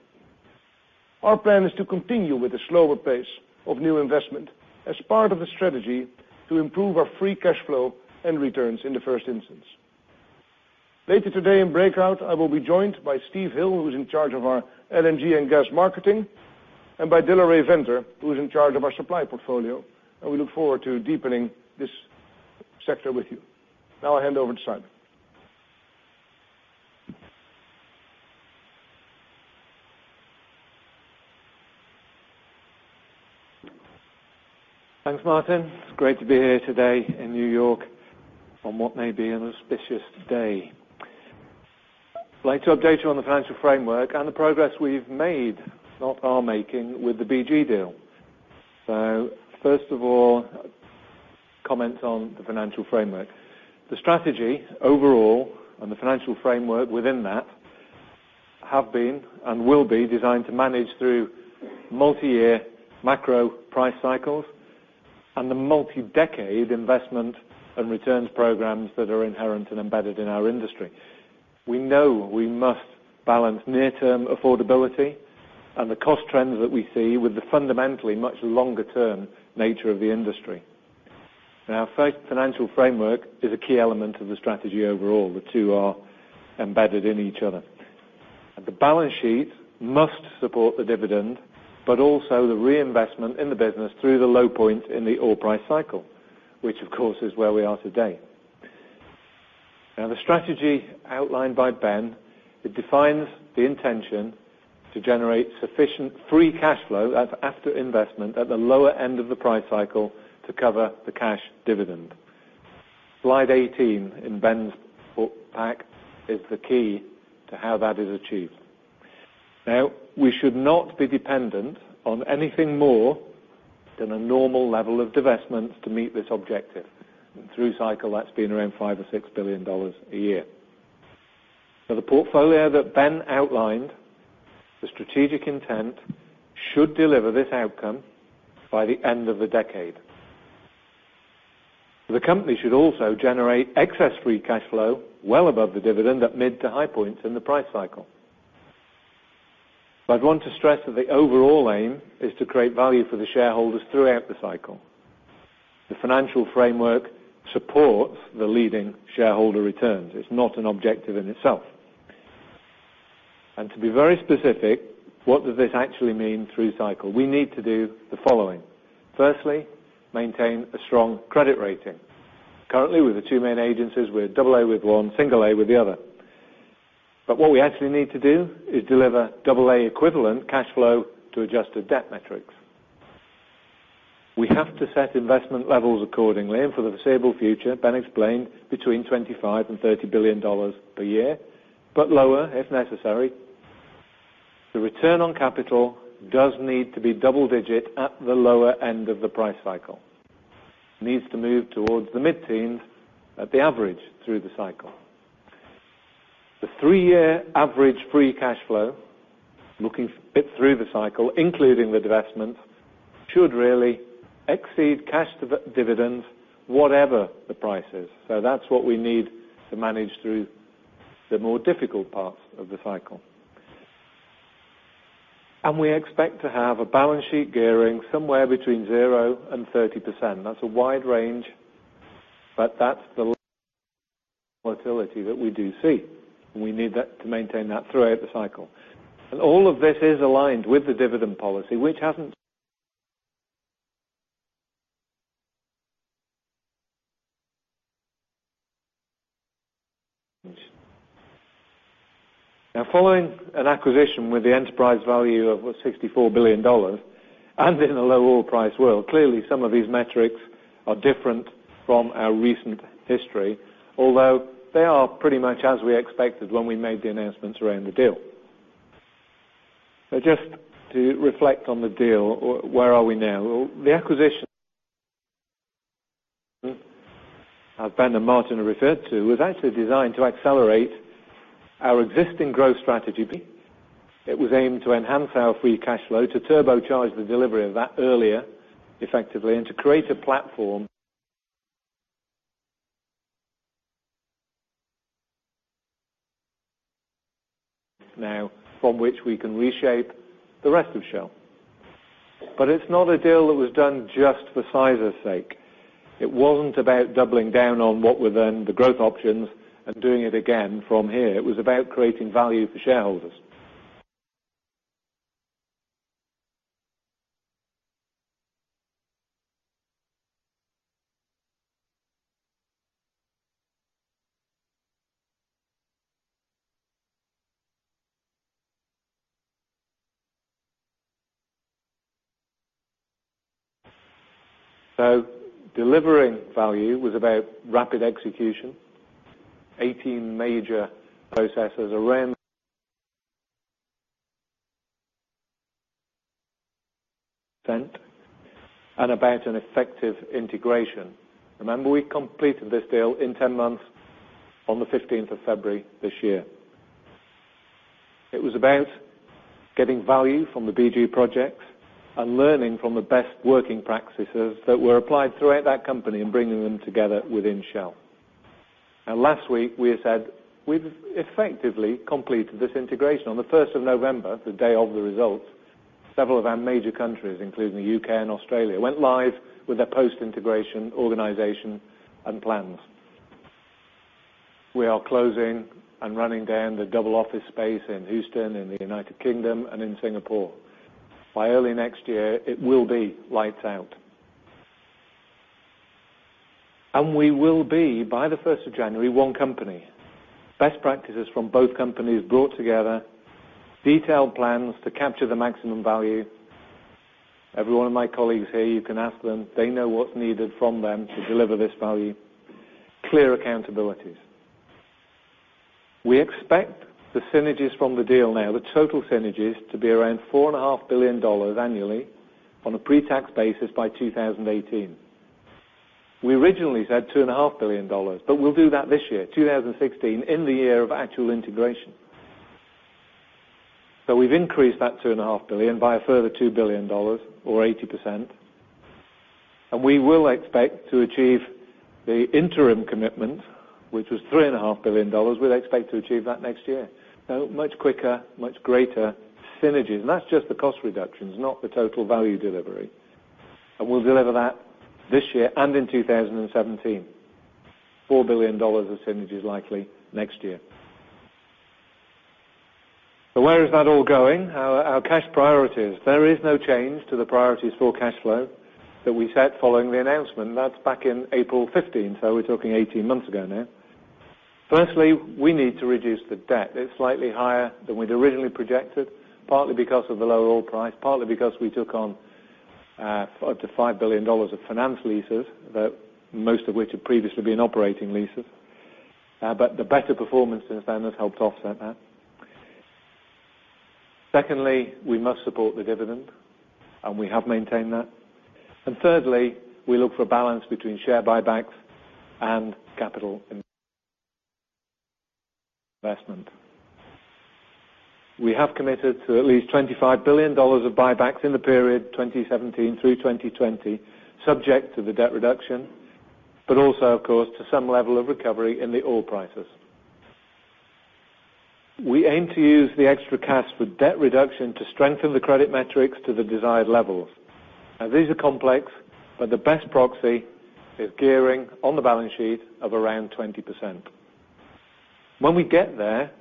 Our plan is to continue with a slower pace of new investment as part of a strategy to improve our free cash flow and returns in the first instance. Later today in breakout, I will be joined by Steve Hill, who's in charge of our LNG and gas marketing, and by De La Rey Venter, who's in charge of our supply portfolio, and we look forward to deepening this sector with you. I hand over to Simon. Thanks, Maarten. It's great to be here today in New York on what may be an auspicious day. I'd like to update you on the financial framework and the progress we've made, not are making, with the BG deal. First of all, comment on the financial framework. The strategy overall and the financial framework within that have been and will be designed to manage through multi-year macro price cycles and the multi-decade investment and returns programs that are inherent and embedded in our industry. We know we must balance near-term affordability and the cost trends that we see with the fundamentally much longer-term nature of the industry. Our first financial framework is a key element of the strategy overall. The two are embedded in each other. The balance sheet must support the dividend, but also the reinvestment in the business through the low point in the oil price cycle, which, of course, is where we are today. The strategy outlined by Ben defines the intention to generate sufficient free cash flow after investment at the lower end of the price cycle to cover the cash dividend. Slide 18 in Ben's pack is the key to how that is achieved. We should not be dependent on anything more than a normal level of divestments to meet this objective. Through cycle, that's been around $5 billion or $6 billion a year. The portfolio that Ben outlined, the strategic intent, should deliver this outcome by the end of the decade. The company should also generate excess free cash flow well above the dividend at mid to high points in the price cycle. I'd want to stress that the overall aim is to create value for the shareholders throughout the cycle. The financial framework supports the leading shareholder returns. It's not an objective in itself. To be very specific, what does this actually mean through cycle? We need to do the following. Firstly, maintain a strong credit rating. Currently, with the two main agencies, we're double A with one, single A with the other. What we actually need to do is deliver double A equivalent cash flow to adjusted debt metrics. We have to set investment levels accordingly, and for the foreseeable future, Ben explained between $25 billion and $30 billion per year, but lower if necessary. The return on capital does need to be double-digit at the lower end of the price cycle. Needs to move towards the mid-teens at the average through the cycle. The three-year average free cash flow, looking a bit through the cycle, including the divestments, should really exceed cash dividends, whatever the price is. That's what we need to manage through the more difficult parts of the cycle. We expect to have a balance sheet gearing somewhere between 0% and 30%. That's a wide range, but that's the volatility that we do see, and we need to maintain that throughout the cycle. All of this is aligned with the dividend policy, which hasn't. Following an acquisition with the enterprise value of $64 billion and in a low oil price world, clearly some of these metrics are different from our recent history, although they are pretty much as we expected when we made the announcements around the deal. Just to reflect on the deal, where are we now? The acquisition as Ben and Maarten referred to, was actually designed to accelerate our existing growth strategy. It was aimed to enhance our free cash flow, to turbocharge the delivery of that earlier effectively, and to create a platform now from which we can reshape the rest of Shell. It's not a deal that was done just for size's sake. It wasn't about doubling down on what were then the growth options and doing it again from here. It was about creating value for shareholders. Delivering value was about rapid execution, 18 major processes around and about an effective integration. Remember, we completed this deal in 10 months on the 15th of February this year. It was about getting value from the BG projects and learning from the best working practices that were applied throughout that company and bringing them together within Shell. Last week, we said we've effectively completed this integration. On the 1st of November, the day of the results, several of our major countries, including the U.K. and Australia, went live with their post-integration organization and plans. We are closing and running down the double office space in Houston, in the United Kingdom, and in Singapore. By early next year, it will be lights out. We will be, by the 1st of January, one company. Best practices from both companies brought together, detailed plans to capture the maximum value. Every one of my colleagues here, you can ask them, they know what's needed from them to deliver this value. Clear accountabilities. We expect the synergies from the deal now, the total synergies, to be around $4.5 billion annually on a pre-tax basis by 2018. We originally said $2.5 billion. We'll do that this year, 2016, in the year of actual integration. We've increased that $2.5 billion by a further $2 billion or 80%. We will expect to achieve the interim commitment, which was $3.5 billion. We'll expect to achieve that next year. Much quicker, much greater synergies. That's just the cost reductions, not the total value delivery. We'll deliver that this year and in 2017. $4 billion of synergies likely next year. Where is that all going? Our cash priorities. There is no change to the priorities for cash flow that we set following the announcement. That's back in April 2015, so we're talking 18 months ago now. Firstly, we need to reduce the debt. It's slightly higher than we'd originally projected, partly because of the lower oil price, partly because we took on up to $5 billion of finance leases, most of which had previously been operating leases. The better performance since then has helped offset that. Secondly, we must support the dividend. We have maintained that. Thirdly, we look for a balance between share buybacks and capital investment. We have committed to at least $25 billion of buybacks in the period 2017 through 2020, subject to the debt reduction, also, of course, to some level of recovery in the oil prices. We aim to use the extra cash for debt reduction to strengthen the credit metrics to the desired levels. These are complex. The best proxy is gearing on the balance sheet of around 20%. When we get there,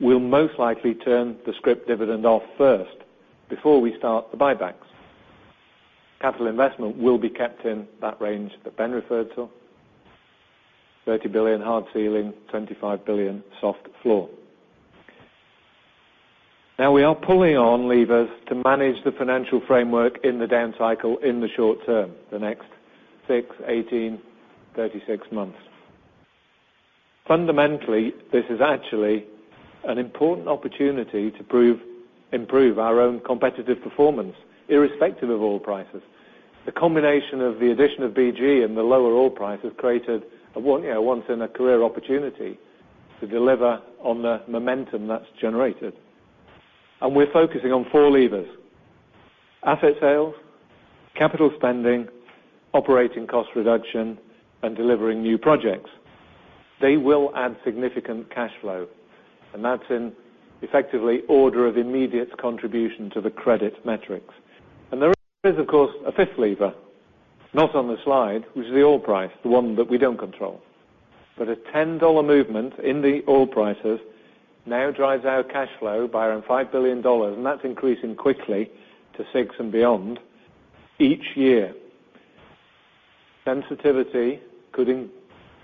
we'll most likely turn the scrip dividend off first, before we start the buybacks. Capital investment will be kept in that range that Ben referred to. $30 billion hard ceiling, $25 billion soft floor. We are pulling on levers to manage the financial framework in the down cycle in the short term, the next 6, 18, 36 months. Fundamentally, this is actually an important opportunity to improve our own competitive performance, irrespective of oil prices. The combination of the addition of BG and the lower oil price has created a once in a career opportunity to deliver on the momentum that's generated. We're focusing on four levers. Asset sales, capital spending, operating cost reduction, and delivering new projects. They will add significant cash flow. That's in effectively order of immediate contribution to the credit metrics. There is, of course, a fifth lever, not on the slide, which is the oil price, the one that we don't control. A $10 movement in the oil prices now drives our cash flow by around $5 billion. That's increasing quickly to six and beyond each year. Sensitivity could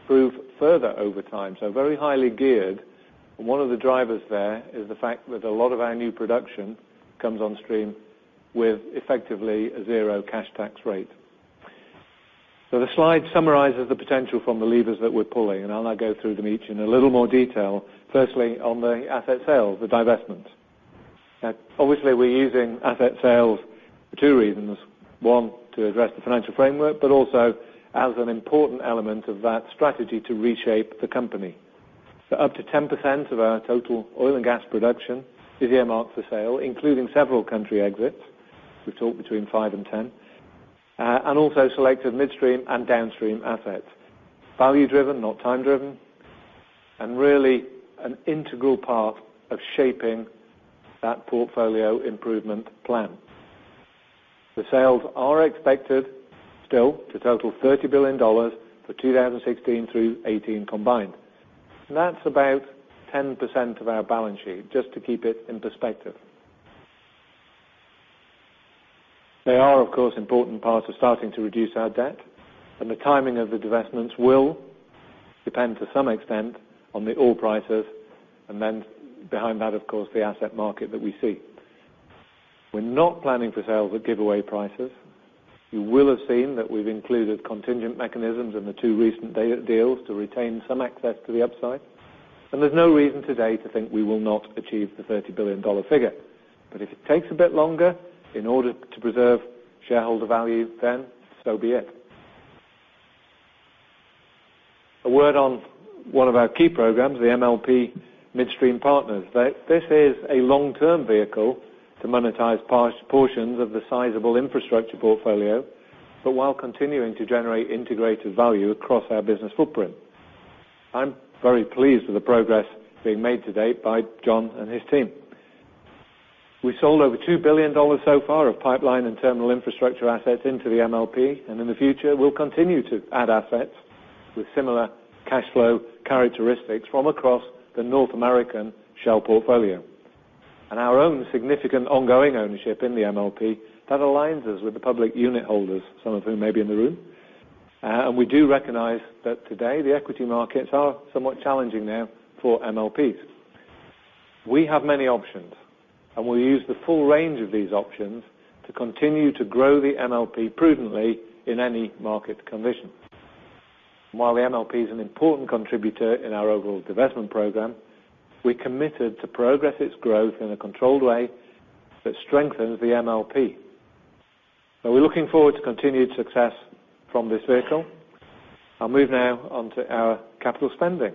improve further over time, very highly geared. One of the drivers there is the fact that a lot of our new production comes on stream with effectively a zero cash tax rate. The slide summarizes the potential from the levers that we're pulling. I'll now go through them each in a little more detail. Firstly, on the asset sales, the divestments. Obviously, we're using asset sales for two reasons. One, to address the financial framework, also as an important element of that strategy to reshape the company. Up to 10% of our total oil and gas production is earmarked for sale, including several country exits. We've talked between 5 and 10. Also selected midstream and downstream assets. Value driven, not time driven. Really an integral part of shaping that portfolio improvement plan. The sales are expected still to total $30 billion for 2016 through 2018 combined. That's about 10% of our balance sheet, just to keep it in perspective. They are, of course, important parts of starting to reduce our debt. The timing of the divestments will depend to some extent on the oil prices, behind that, of course, the asset market that we see. We're not planning for sales at giveaway prices. You will have seen that we've included contingent mechanisms in the 2 recent deals to retain some access to the upside. There's no reason today to think we will not achieve the $30 billion figure. If it takes a bit longer in order to preserve shareholder value, then so be it. A word on 1 of our key programs, the MLP Midstream Partners. This is a long-term vehicle to monetize portions of the sizable infrastructure portfolio, while continuing to generate integrated value across our business footprint. I'm very pleased with the progress being made to date by John and his team. We sold over $2 billion so far of pipeline and terminal infrastructure assets into the MLP. In the future, we'll continue to add assets with similar cash flow characteristics from across the North American Shell portfolio. Our own significant ongoing ownership in the MLP, that aligns us with the public unit holders, some of whom may be in the room. We do recognize that today the equity markets are somewhat challenging now for MLPs. We have many options. We'll use the full range of these options to continue to grow the MLP prudently in any market condition. While the MLP is an important contributor in our overall divestment program, we're committed to progress its growth in a controlled way that strengthens the MLP. We're looking forward to continued success from this vehicle. I'll move now on to our capital spending.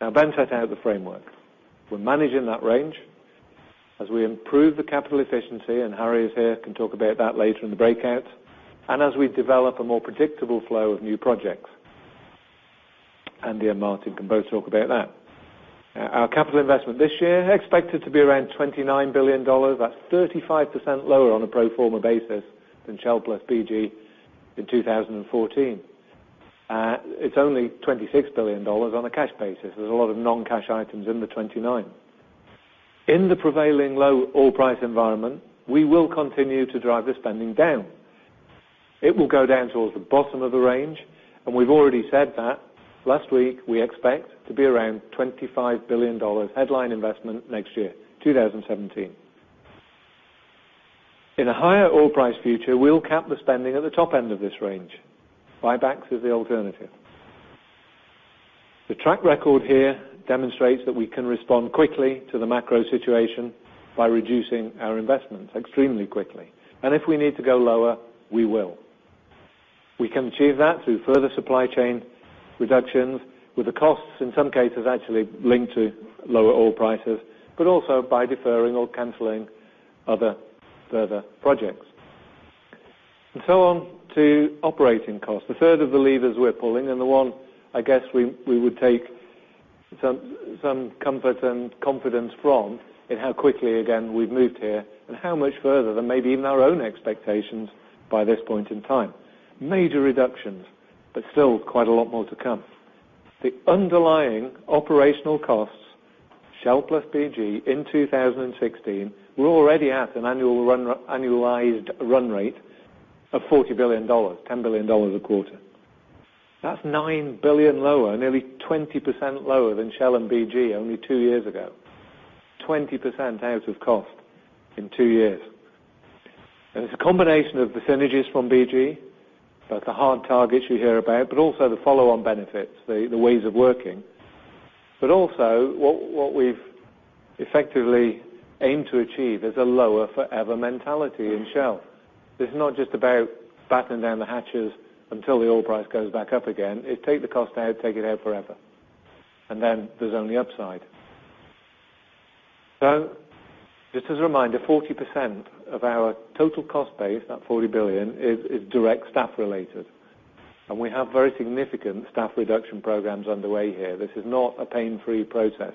Ben set out the framework. We're managing that range as we improve the capital efficiency. Harry is here, can talk about that later in the breakout, as we develop a more predictable flow of new projects. Andy and Maarten Wetselaar can both talk about that. Our capital investment this year expected to be around $29 billion. That's 35% lower on a pro forma basis than Shell plus BG in 2014. It's only $26 billion on a cash basis. There's a lot of non-cash items in the 29. In the prevailing low oil price environment, we will continue to drive the spending down. It will go down towards the bottom of the range. We've already said that. Last week, we expect to be around $25 billion headline investment next year, 2017. In a higher oil price future, we'll cap the spending at the top end of this range. Buybacks is the alternative. The track record here demonstrates that we can respond quickly to the macro situation by reducing our investments extremely quickly. If we need to go lower, we will. We can achieve that through further supply chain reductions with the costs, in some cases, actually linked to lower oil prices, but also by deferring or canceling other further projects. On to operating costs, the third of the levers we're pulling and the one, I guess, we would take some comfort and confidence from in how quickly again we've moved here and how much further than maybe even our own expectations by this point in time. Major reductions, but still quite a lot more to come. The underlying operational costs, Shell plus BG in 2016, we're already at an annualized run rate of $40 billion, $10 billion a quarter. That's $9 billion lower, nearly 20% lower than Shell and BG only two years ago. 20% out of cost in two years. It's a combination of the synergies from BG, both the hard targets you hear about, but also the follow-on benefits, the ways of working. Also, what we've effectively aimed to achieve is a lower forever mentality in Shell. Take the cost out, take it out forever. Then there's only upside. Just as a reminder, 40% of our total cost base, that $40 billion, is direct staff related. We have very significant staff reduction programs underway here. This is not a pain-free process,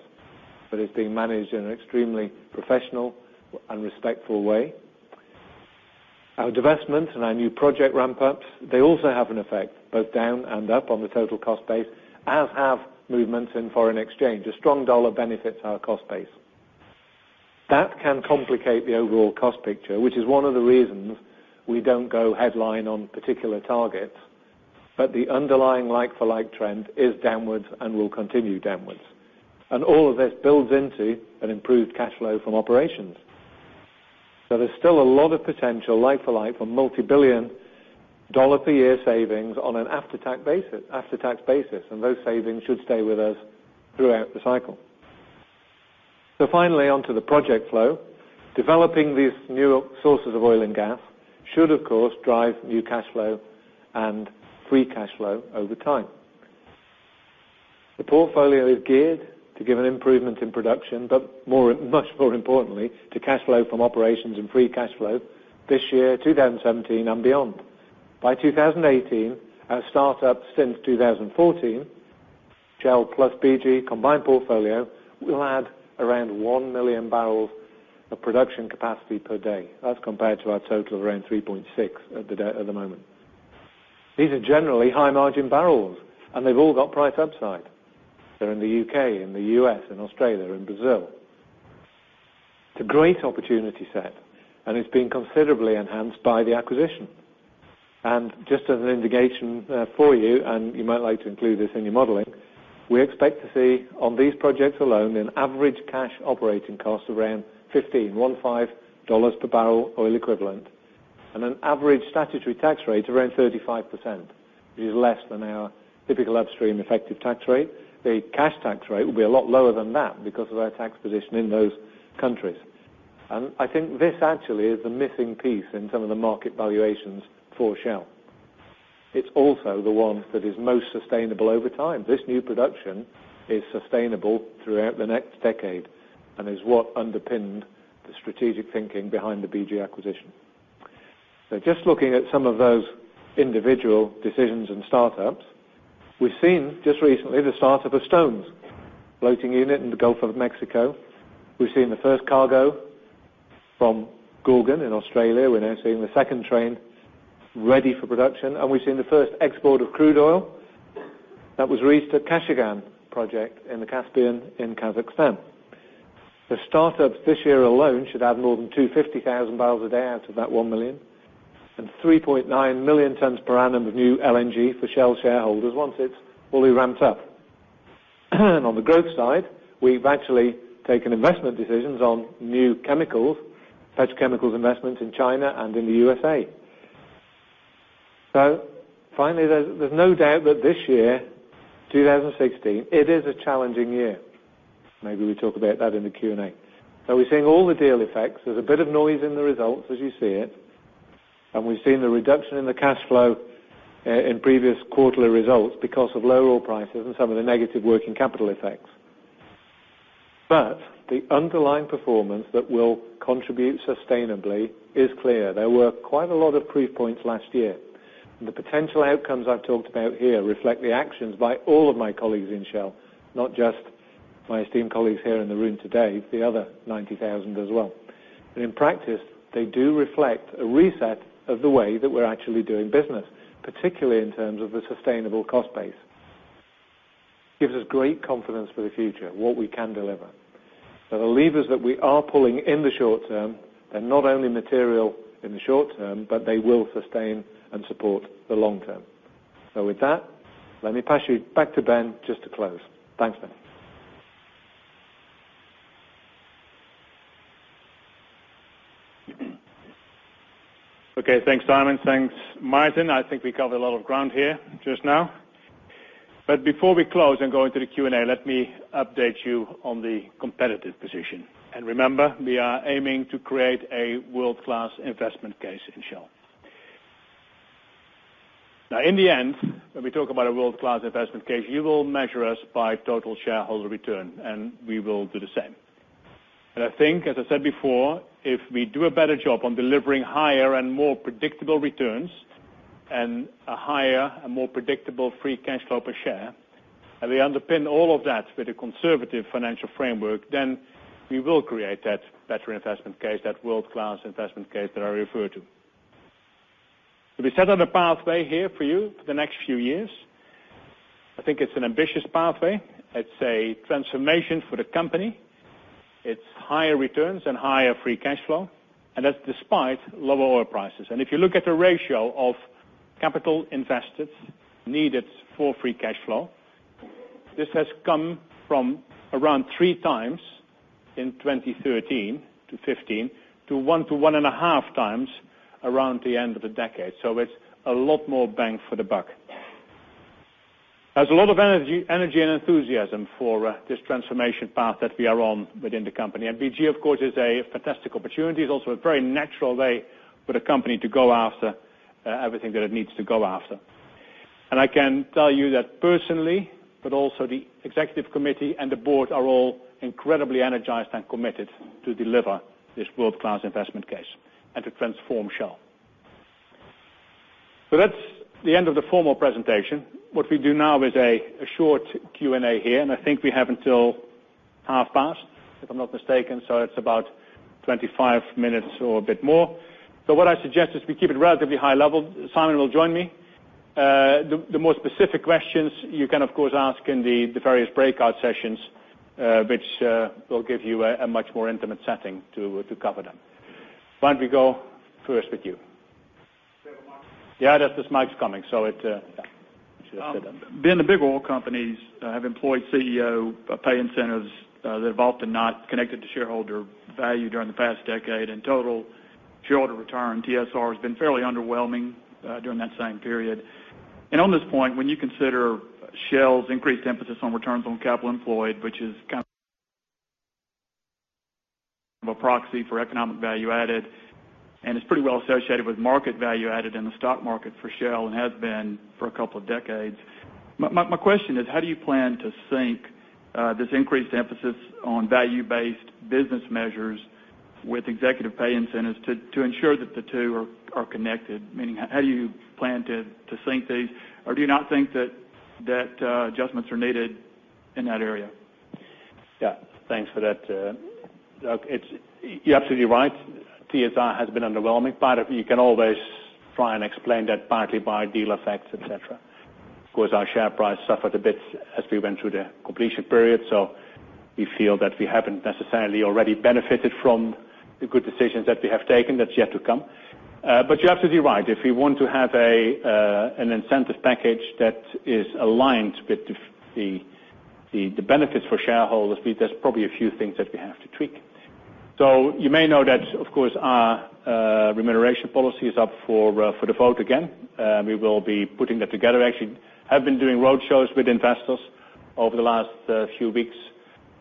but it's being managed in an extremely professional and respectful way. Our divestment and our new project ramp-ups, they also have an effect, both down and up on the total cost base, as have movements in foreign exchange. A strong dollar benefits our cost base. That can complicate the overall cost picture, which is one of the reasons we don't go headline on particular targets, but the underlying like for like trend is downwards and will continue downwards. All of this builds into an improved cash flow from operations. There's still a lot of potential like for like for multibillion dollar per year savings on an after-tax basis, and those savings should stay with us throughout the cycle. Finally, on to the project flow. Developing these new sources of oil and gas should, of course, drive new cash flow and free cash flow over time. The portfolio is geared to give an improvement in production, but much more importantly, to cash flow from operations and free cash flow this year, 2017 and beyond. By 2018, our start up since 2014, Shell plus BG combined portfolio will add around 1 million barrels of production capacity per day. That's compared to our total of around 3.6 million at the moment. These are generally high margin barrels, and they've all got price upside. They're in the U.K., in the U.S., in Australia, in Brazil. It's a great opportunity set, and it's been considerably enhanced by the acquisition. Just as an indication for you, and you might like to include this in your modeling, we expect to see on these projects alone an average cash operating cost around $15 per barrel oil equivalent, and an average statutory tax rate around 35%, which is less than our typical upstream effective tax rate. The cash tax rate will be a lot lower than that because of our tax position in those countries. I think this actually is the missing piece in some of the market valuations for Shell. It's also the one that is most sustainable over time. This new production is sustainable throughout the next decade and is what underpinned the strategic thinking behind the BG acquisition. Just looking at some of those individual decisions and startups, we've seen just recently the start of the Stones floating unit in the Gulf of Mexico. We've seen the first cargo from Gorgon in Australia, we're now seeing the second train ready for production, and we've seen the first export of crude oil that was reached at Kashagan project in the Caspian in Kazakhstan. The startups this year alone should add more than 250,000 barrels a day out of that 1 million, and 3.9 million tons per annum of new LNG for Shell shareholders once it's fully ramped up. On the growth side, we've actually taken investment decisions on new chemicals, such chemicals investments in China and in the U.S.A. Finally, there's no doubt that this year, 2016, it is a challenging year. Maybe we talk about that in the Q&A. We're seeing all the deal effects. There's a bit of noise in the results as you see it, and we've seen the reduction in the cash flow in previous quarterly results because of lower oil prices and some of the negative working capital effects. The underlying performance that will contribute sustainably is clear. There were quite a lot of proof points last year. The potential outcomes I've talked about here reflect the actions by all of my colleagues in Shell, not just my esteemed colleagues here in the room today, the other 90,000 as well. In practice, they do reflect a reset of the way that we're actually doing business, particularly in terms of the sustainable cost base. Gives us great confidence for the future, what we can deliver. The levers that we are pulling in the short term are not only material in the short term, but they will sustain and support the long term. With that, let me pass you back to Ben just to close. Thanks, Ben. Okay. Thanks, Simon. Thanks, Maarten. I think we covered a lot of ground here just now. Before we close and go into the Q&A, let me update you on the competitive position. Remember, we are aiming to create a world-class investment case in Shell. In the end, when we talk about a world-class investment case, you will measure us by total shareholder return, and we will do the same. I think, as I said before, if we do a better job on delivering higher and more predictable returns, and a higher and more predictable free cash flow per share, and we underpin all of that with a conservative financial framework, then we will create that better investment case, that world-class investment case that I referred to. We set on a pathway here for you for the next few years. I think it's an ambitious pathway. It's a transformation for the company. It's higher returns and higher free cash flow, that's despite lower oil prices. If you look at the ratio of capital invested needed for free cash flow, this has come from around three times in 2013-2015, to one to one and a half times around the end of the decade. It's a lot more bang for the buck. There's a lot of energy and enthusiasm for this transformation path that we are on within the company. BG, of course, is a fantastic opportunity. It's also a very natural way for the company to go after everything that it needs to go after. I can tell you that personally, but also the executive committee and the board are all incredibly energized and committed to deliver this world-class investment case and to transform Shell. That's the end of the formal presentation. What we do now is a short Q&A here, I think we have until half past, if I'm not mistaken, it's about 25 minutes or a bit more. What I suggest is we keep it relatively high level. Simon will join me. The more specific questions you can, of course, ask in the various breakout sessions, which will give you a much more intimate setting to cover them. Why don't we go first with you? Still on mic? Yeah, this mic's coming. Should have said that. Ben, the big oil companies have employed CEO pay incentives that have often not connected to shareholder value during the past decade, total shareholder return, TSR, has been fairly underwhelming during that same period. On this point, when you consider Shell's increased emphasis on return on capital employed, which is kind of a proxy for economic value added, and is pretty well associated with market value added in the stock market for Shell and has been for a couple of decades. My question is, how do you plan to sync this increased emphasis on value-based business measures with executive pay incentives to ensure that the two are connected? Meaning, how do you plan to sync these, or do you not think that adjustments are needed in that area? Yeah. Thanks for that. You're absolutely right. TSR has been underwhelming, you can always try and explain that partly by deal effects, et cetera. Of course, our share price suffered a bit as we went through the completion period, we feel that we haven't necessarily already benefited from the good decisions that we have taken. That's yet to come. You're absolutely right. If we want to have an incentive package that is aligned with the benefits for shareholders, there's probably a few things that we have to tweak. You may know that, of course, our remuneration policy is up for the vote again. We will be putting that together. Actually, have been doing road shows with investors over the last few weeks,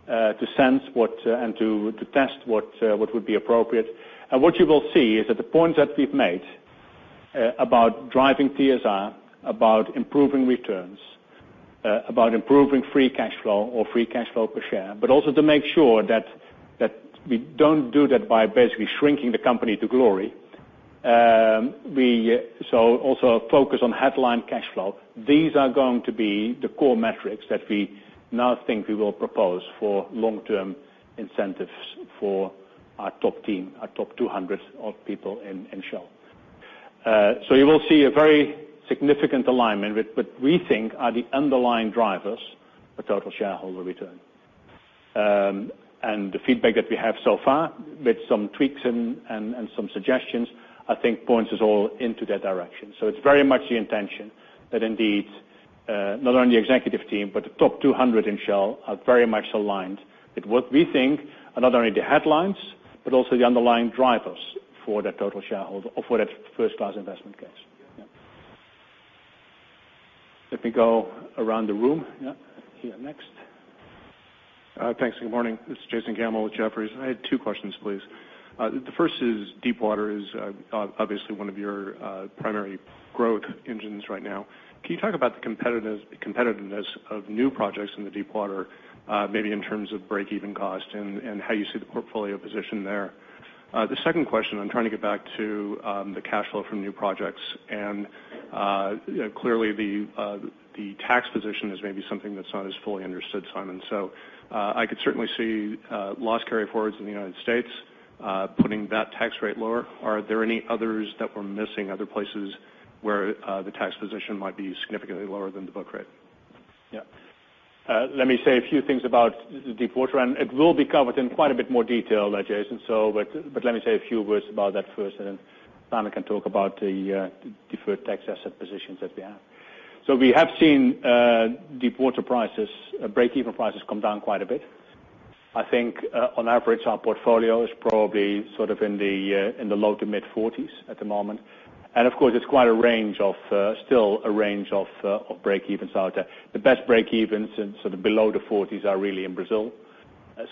to sense and to test what would be appropriate. What you will see is that the point that we've made about driving TSR, about improving returns, about improving free cash flow or free cash flow per share, also to make sure that we don't do that by basically shrinking the company to glory also a focus on headline cash flow. These are going to be the core metrics that we now think we will propose for long-term incentives for our top team, our top 200 odd people in Shell. You will see a very significant alignment with what we think are the underlying drivers for total shareholder return. The feedback that we have so far, with some tweaks and some suggestions, I think points us all into that direction. It's very much the intention that indeed, not only the executive team, but the top 200 in Shell are very much aligned with what we think are not only the headlines, but also the underlying drivers for that first-class investment case. Yeah. Let me go around the room. Yeah. Here next. Thanks. Good morning. This is Jason Gammel with Jefferies. I had two questions, please. The first is, Deepwater is obviously one of your primary growth engines right now. Can you talk about the competitiveness of new projects in the Deepwater, maybe in terms of break-even cost and how you see the portfolio position there? The second question, I'm trying to get back to the cash flow from new projects. Clearly, the tax position is maybe something that's not as fully understood, Simon. I could certainly see loss carry-forwards in the U.S., putting that tax rate lower. Are there any others that we're missing, other places where the tax position might be significantly lower than the book rate? Let me say a few things about Deepwater, and it will be covered in quite a bit more detail, Jason. Let me say a few words about that first. Then Simon can talk about the deferred tax asset positions that we have. We have seen Deepwater prices, break-even prices come down quite a bit. I think on average, our portfolio is probably in the low to mid-40s at the moment. Of course, it's still a range of break-evens out there. The best break-evens, below the 40s are really in Brazil.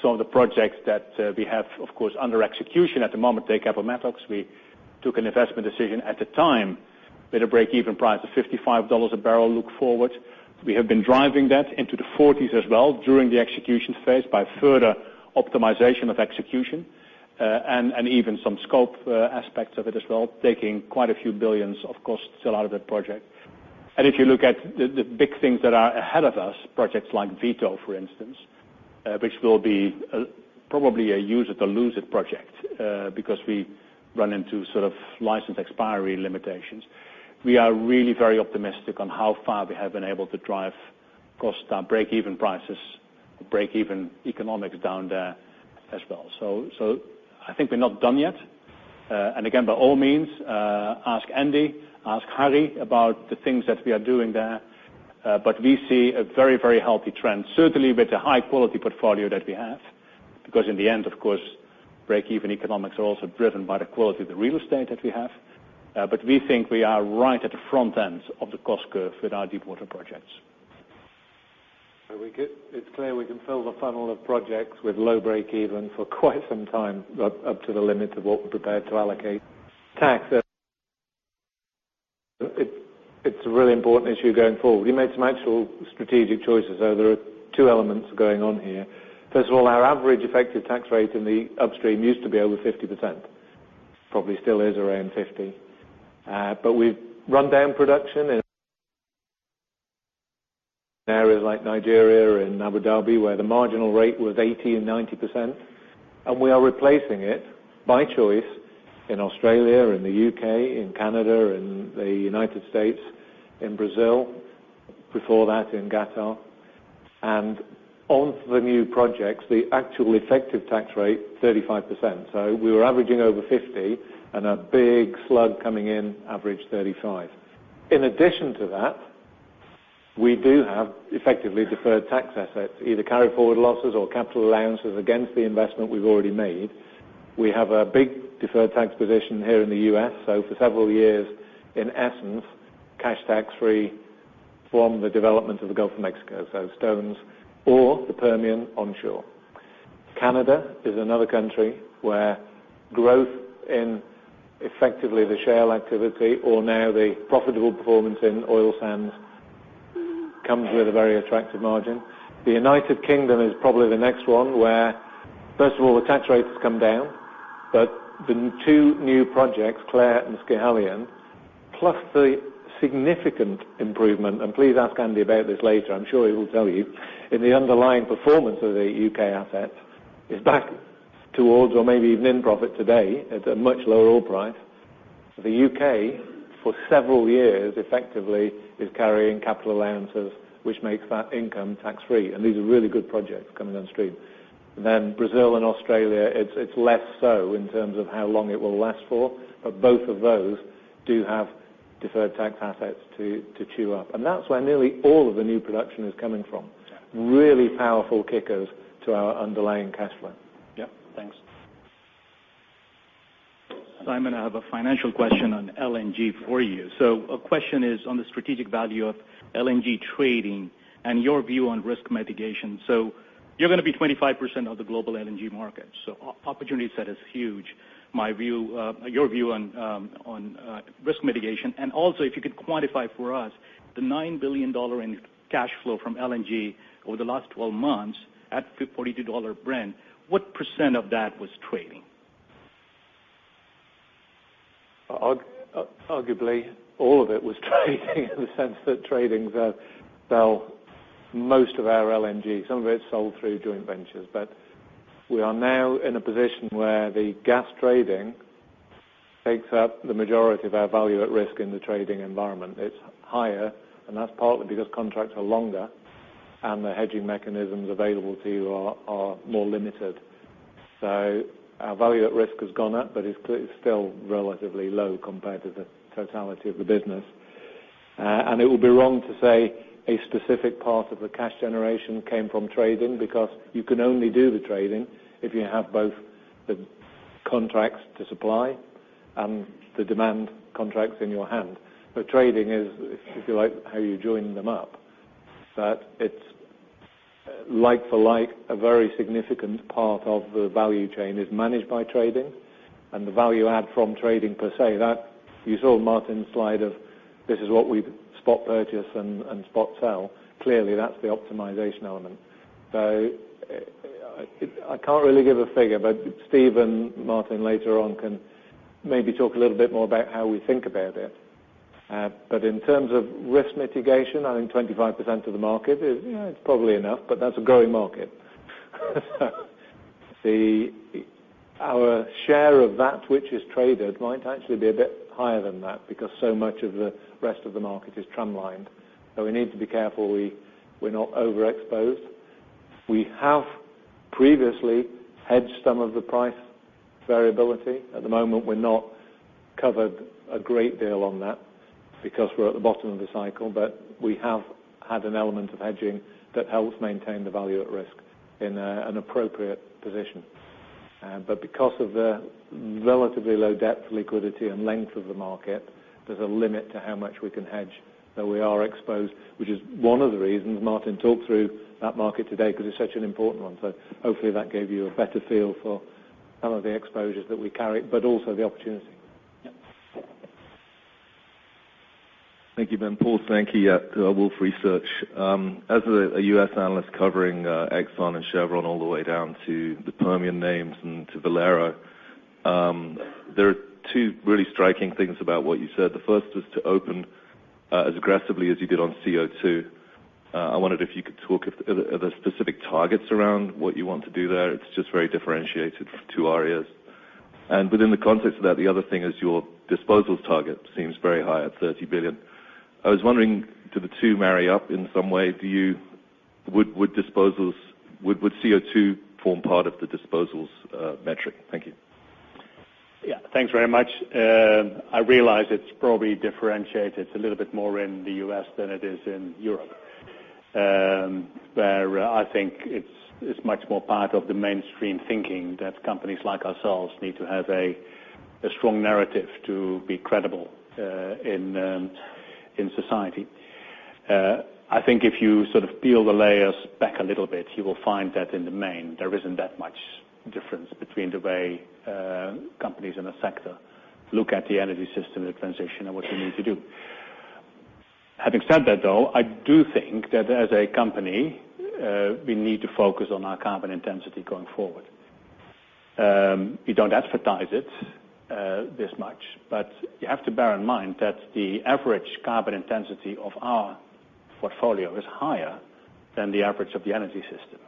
Some of the projects that we have, of course, under execution at the moment, take Appomattox. We took an investment decision at the time with a break-even price of $55 a barrel look forward. We have been driving that into the 40s as well during the execution phase by further optimization of execution, and even some scope aspects of it as well, taking quite a few billions of costs still out of that project. If you look at the big things that are ahead of us, projects like Vito, for instance, which will be probably a use-it-or-lose-it project because we run into license expiry limitations. We are really very optimistic on how far we have been able to drive costs down, break-even prices, break-even economics down there as well. I think we're not done yet. Again, by all means, ask Andy, ask Harry about the things that we are doing there. We see a very healthy trend, certainly with the high-quality portfolio that we have, because in the end, of course, break-even economics are also driven by the quality of the real estate that we have. We think we are right at the front end of the cost curve with our Deepwater projects. It's clear we can fill the funnel of projects with low break even for quite some time up to the limit of what we're prepared to allocate. Tax, it's a really important issue going forward. We made some actual strategic choices. There are two elements going on here. First of all, our average effective tax rate in the upstream used to be over 50%. Probably still is around 50. We've run down production in areas like Nigeria and Abu Dhabi, where the marginal rate was 80% and 90%. We are replacing it, by choice, in Australia, in the U.K., in Canada, in the United States, in Brazil, before that in Qatar. On the new projects, the actual effective tax rate 35%. We were averaging over 50 and a big slug coming in average 35. In addition to that, we do have effectively deferred tax assets, either carry forward losses or capital allowances against the investment we've already made. We have a big deferred tax position here in the U.S. For several years, in essence, cash tax free from the development of the Gulf of Mexico, Shales or the Permian onshore. Canada is another country where growth in effectively the Shale activity or now the profitable performance in oil sands comes with a very attractive margin. The United Kingdom is probably the next one where, first of all, the tax rate has come down, but the two new projects, Clair and Schiehallion, plus the significant improvement, and please ask Andy about this later, I'm sure he will tell you, in the underlying performance of the U.K. assets is back towards or maybe even in profit today at a much lower oil price. The U.K., for several years, effectively is carrying capital allowances, which makes that income tax free. These are really good projects coming downstream. Brazil and Australia, it's less so in terms of how long it will last for, but both of those do have deferred tax assets to chew up. That's where nearly all of the new production is coming from. Really powerful kickers to our underlying cash flow. Yeah. Thanks. Simon, I have a financial question on LNG for you. A question is on the strategic value of LNG trading and your view on risk mitigation. You're going to be 25% of the global LNG market, so opportunity set is huge. Your view on risk mitigation, and also if you could quantify for us the $9 billion in cash flow from LNG over the last 12 months at $42 Brent, what % of that was trading? Arguably, all of it was trading in the sense that trading, well, most of our LNG. Some of it is sold through joint ventures. We are now in a position where the gas trading takes up the majority of our value at risk in the trading environment. It's higher, and that's partly because contracts are longer and the hedging mechanisms available to you are more limited. Our value at risk has gone up, but it's still relatively low compared to the totality of the business. It would be wrong to say a specific part of the cash generation came from trading, because you can only do the trading if you have both the contracts to supply and the demand contracts in your hand. Trading is, if you like, how you join them up. It's like for like, a very significant part of the value chain is managed by trading. The value add from trading per se, that you saw Maarten's slide of this is what we spot purchase and spot sell. Clearly, that's the optimization element. I can't really give a figure, but Steve and Maarten later on can maybe talk a little bit more about how we think about it. In terms of risk mitigation, I think 25% of the market is probably enough, but that's a growing market. Our share of that which is traded might actually be a bit higher than that because so much of the rest of the market is tramline. We need to be careful we're not overexposed. We have previously hedged some of the price variability. At the moment, we're not covered a great deal on that because we're at the bottom of the cycle, but we have had an element of hedging that helps maintain the value at risk in an appropriate position. Because of the relatively low depth, liquidity, and length of the market, there's a limit to how much we can hedge, so we are exposed, which is one of the reasons Maarten talked through that market today because it's such an important one. Hopefully that gave you a better feel for some of the exposures that we carry, but also the opportunity. Yep. Thank you, Ben. Paul Sankey at Wolfe Research. As a U.S. analyst covering Exxon and Chevron all the way down to the Permian names and to Valero, there are two really striking things about what you said. The first was to open as aggressively as you did on CO2. I wondered if you could talk, are there specific targets around what you want to do there? It's just very differentiated for two areas. Within the context of that, the other thing is your disposals target seems very high at $30 billion. I was wondering, do the two marry up in some way? Would CO2 form part of the disposals metric? Thank you. Yeah. Thanks very much. I realize it's probably differentiated. It's a little bit more in the U.S. than it is in Europe, where I think it's much more part of the mainstream thinking that companies like ourselves need to have a strong narrative to be credible in society. I think if you sort of peel the layers back a little bit, you will find that in the main, there isn't that much difference between the way companies in a sector look at the energy system transition and what you need to do. Having said that, though, I do think that as a company, we need to focus on our carbon intensity going forward. We don't advertise it this much, but you have to bear in mind that the average carbon intensity of our portfolio is higher than the average of the energy system.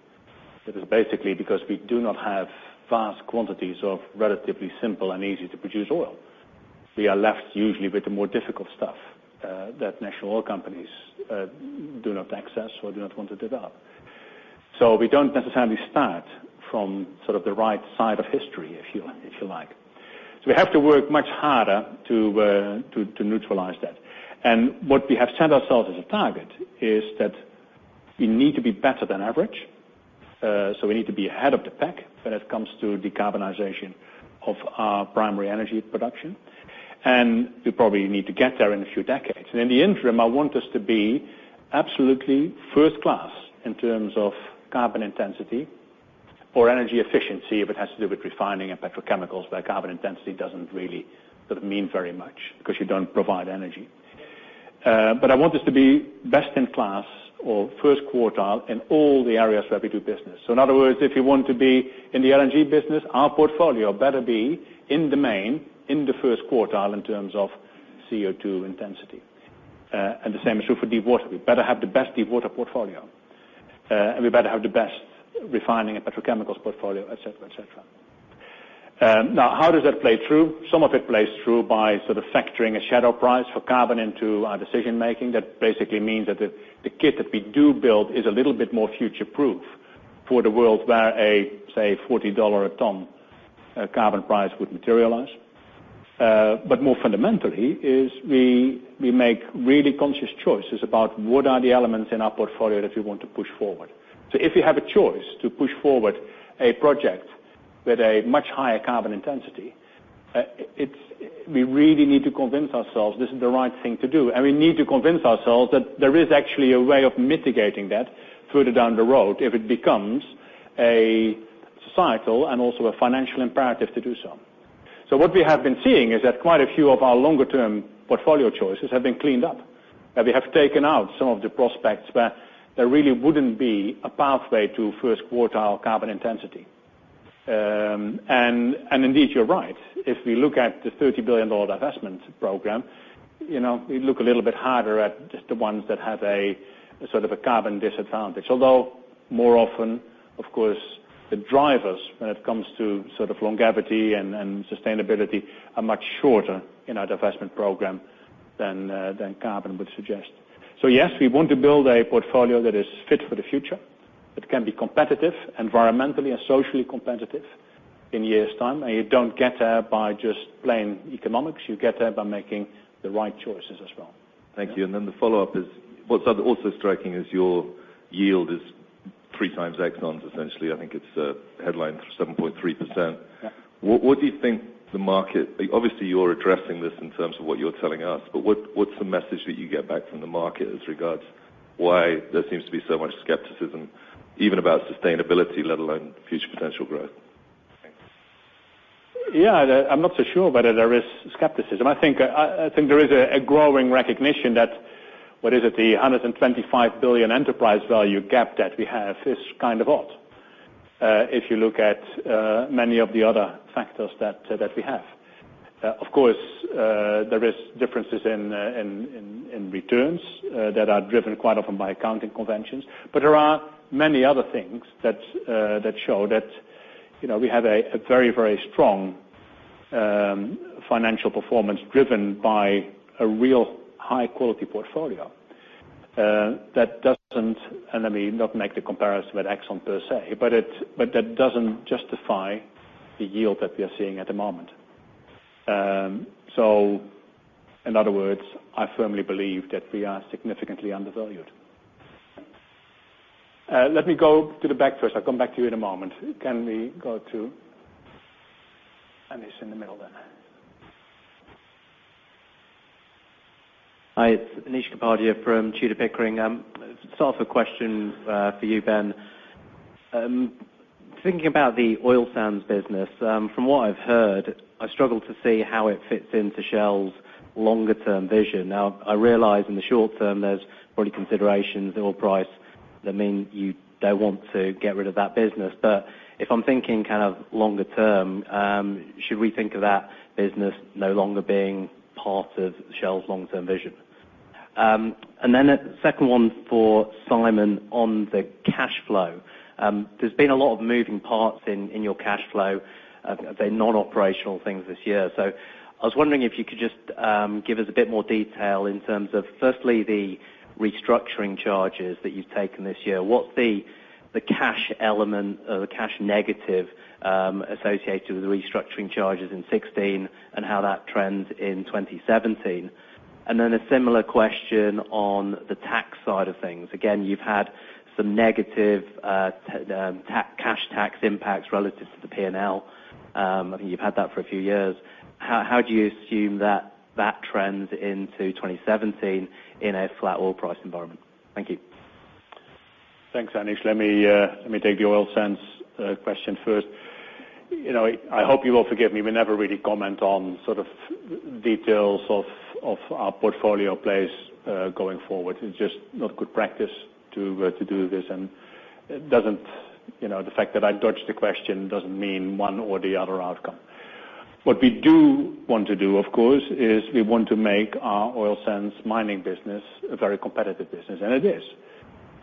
It is basically because we do not have vast quantities of relatively simple and easy-to-produce oil. We are left usually with the more difficult stuff that national oil companies do not access or do not want to develop. We don't necessarily start from sort of the right side of history, if you like. We have to work much harder to neutralize that. What we have set ourselves as a target is that we need to be better than average, so we need to be ahead of the pack when it comes to decarbonization of our primary energy production. We probably need to get there in a few decades. In the interim, I want us to be absolutely first class in terms of carbon intensity or energy efficiency if it has to do with refining and petrochemicals, where carbon intensity doesn't really sort of mean very much because you don't provide energy. I want us to be best in class or first quartile in all the areas where we do business. In other words, if you want to be in the LNG business, our portfolio better be in the main, in the first quartile in terms of CO2 intensity. The same is true for deepwater. We better have the best deepwater portfolio. We better have the best refining and petrochemicals portfolio, et cetera. Now, how does that play through? Some of it plays through by sort of factoring a shadow price for carbon into our decision-making. That basically means that the kit that we do build is a little bit more future proof for the world where a, say, $40 a ton carbon price would materialize. More fundamentally is we make really conscious choices about what are the elements in our portfolio that we want to push forward. If you have a choice to push forward a project with a much higher carbon intensity, we really need to convince ourselves this is the right thing to do, and we need to convince ourselves that there is actually a way of mitigating that further down the road if it becomes a societal and also a financial imperative to do so. What we have been seeing is that quite a few of our longer-term portfolio choices have been cleaned up. We have taken out some of the prospects where there really wouldn't be a pathway to first quartile carbon intensity. Indeed, you're right. If we look at the $30 billion divestment program, we look a little bit harder at the ones that have a carbon disadvantage. Although more often, of course, the drivers, when it comes to longevity and sustainability, are much shorter in our divestment program than carbon would suggest. Yes, we want to build a portfolio that is fit for the future, that can be competitive, environmentally and socially competitive in years' time. You don't get there by just plain economics. You get there by making the right choices as well. Thank you. The follow-up is, what's also striking is your yield is three times Exxon's essentially. I think it's a headline for 7.3%. Yeah. What do you think, obviously you're addressing this in terms of what you're telling us, but what's the message that you get back from the market as regards why there seems to be so much skepticism even about sustainability, let alone future potential growth? Yeah, I'm not so sure whether there is skepticism. I think there is a growing recognition that, what is it? The $125 billion enterprise value gap that we have is kind of odd. If you look at many of the other factors that we have. Of course, there is differences in returns that are driven quite often by accounting conventions. There are many other things that show that we have a very strong financial performance driven by a real high-quality portfolio. That doesn't, and let me not make the comparison with Exxon per se, but that doesn't justify the yield that we are seeing at the moment. In other words, I firmly believe that we are significantly undervalued. Let me go to the back first. I'll come back to you in a moment. Can we go to Anish in the middle there? Hi, it's Anish Kapadia from Tudor, Pickering. Sort of a question for you, Ben. Thinking about the oil sands business, from what I've heard, I struggle to see how it fits into Shell's longer term vision. I realize in the short term, there's probably considerations, the oil price, that mean you don't want to get rid of that business. If I'm thinking longer term, should we think of that business no longer being part of Shell's long-term vision? Then a second one for Simon on the cash flow. There's been a lot of moving parts in your cash flow, the non-operational things this year. I was wondering if you could just give us a bit more detail in terms of, firstly, the restructuring charges that you've taken this year. What's the cash element or the cash negative associated with the restructuring charges in 2016 and how that trends in 2017? Then a similar question on the tax side of things. Again, you've had some negative cash tax impacts relative to the P&L. I mean, you've had that for a few years. How do you assume that trends into 2017 in a flat oil price environment? Thank you. Thanks, Anish. Let me take the oil sands question first. I hope you will forgive me. We never really comment on sort of details of our portfolio plays going forward. It's just not good practice to do this, and the fact that I dodged the question doesn't mean one or the other outcome. What we do want to do, of course, is we want to make our oil sands mining business a very competitive business. It is.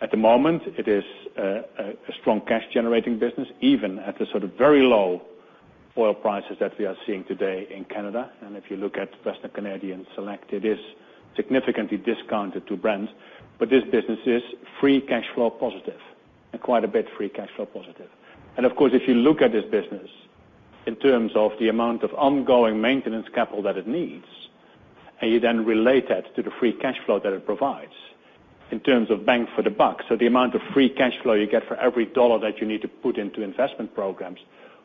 At the moment, it is a strong cash generating business, even at the sort of very low oil prices that we are seeing today in Canada. If you look at Western Canadian Select, it is significantly discounted to Brent, but this business is free cash flow positive, and quite a bit free cash flow positive. Of course, if you look at this business in terms of the amount of ongoing maintenance capital that it needs, and you then relate that to the free cash flow that it provides in terms of bang for the buck. The amount of free cash flow you get for every dollar that you need to put into investment programs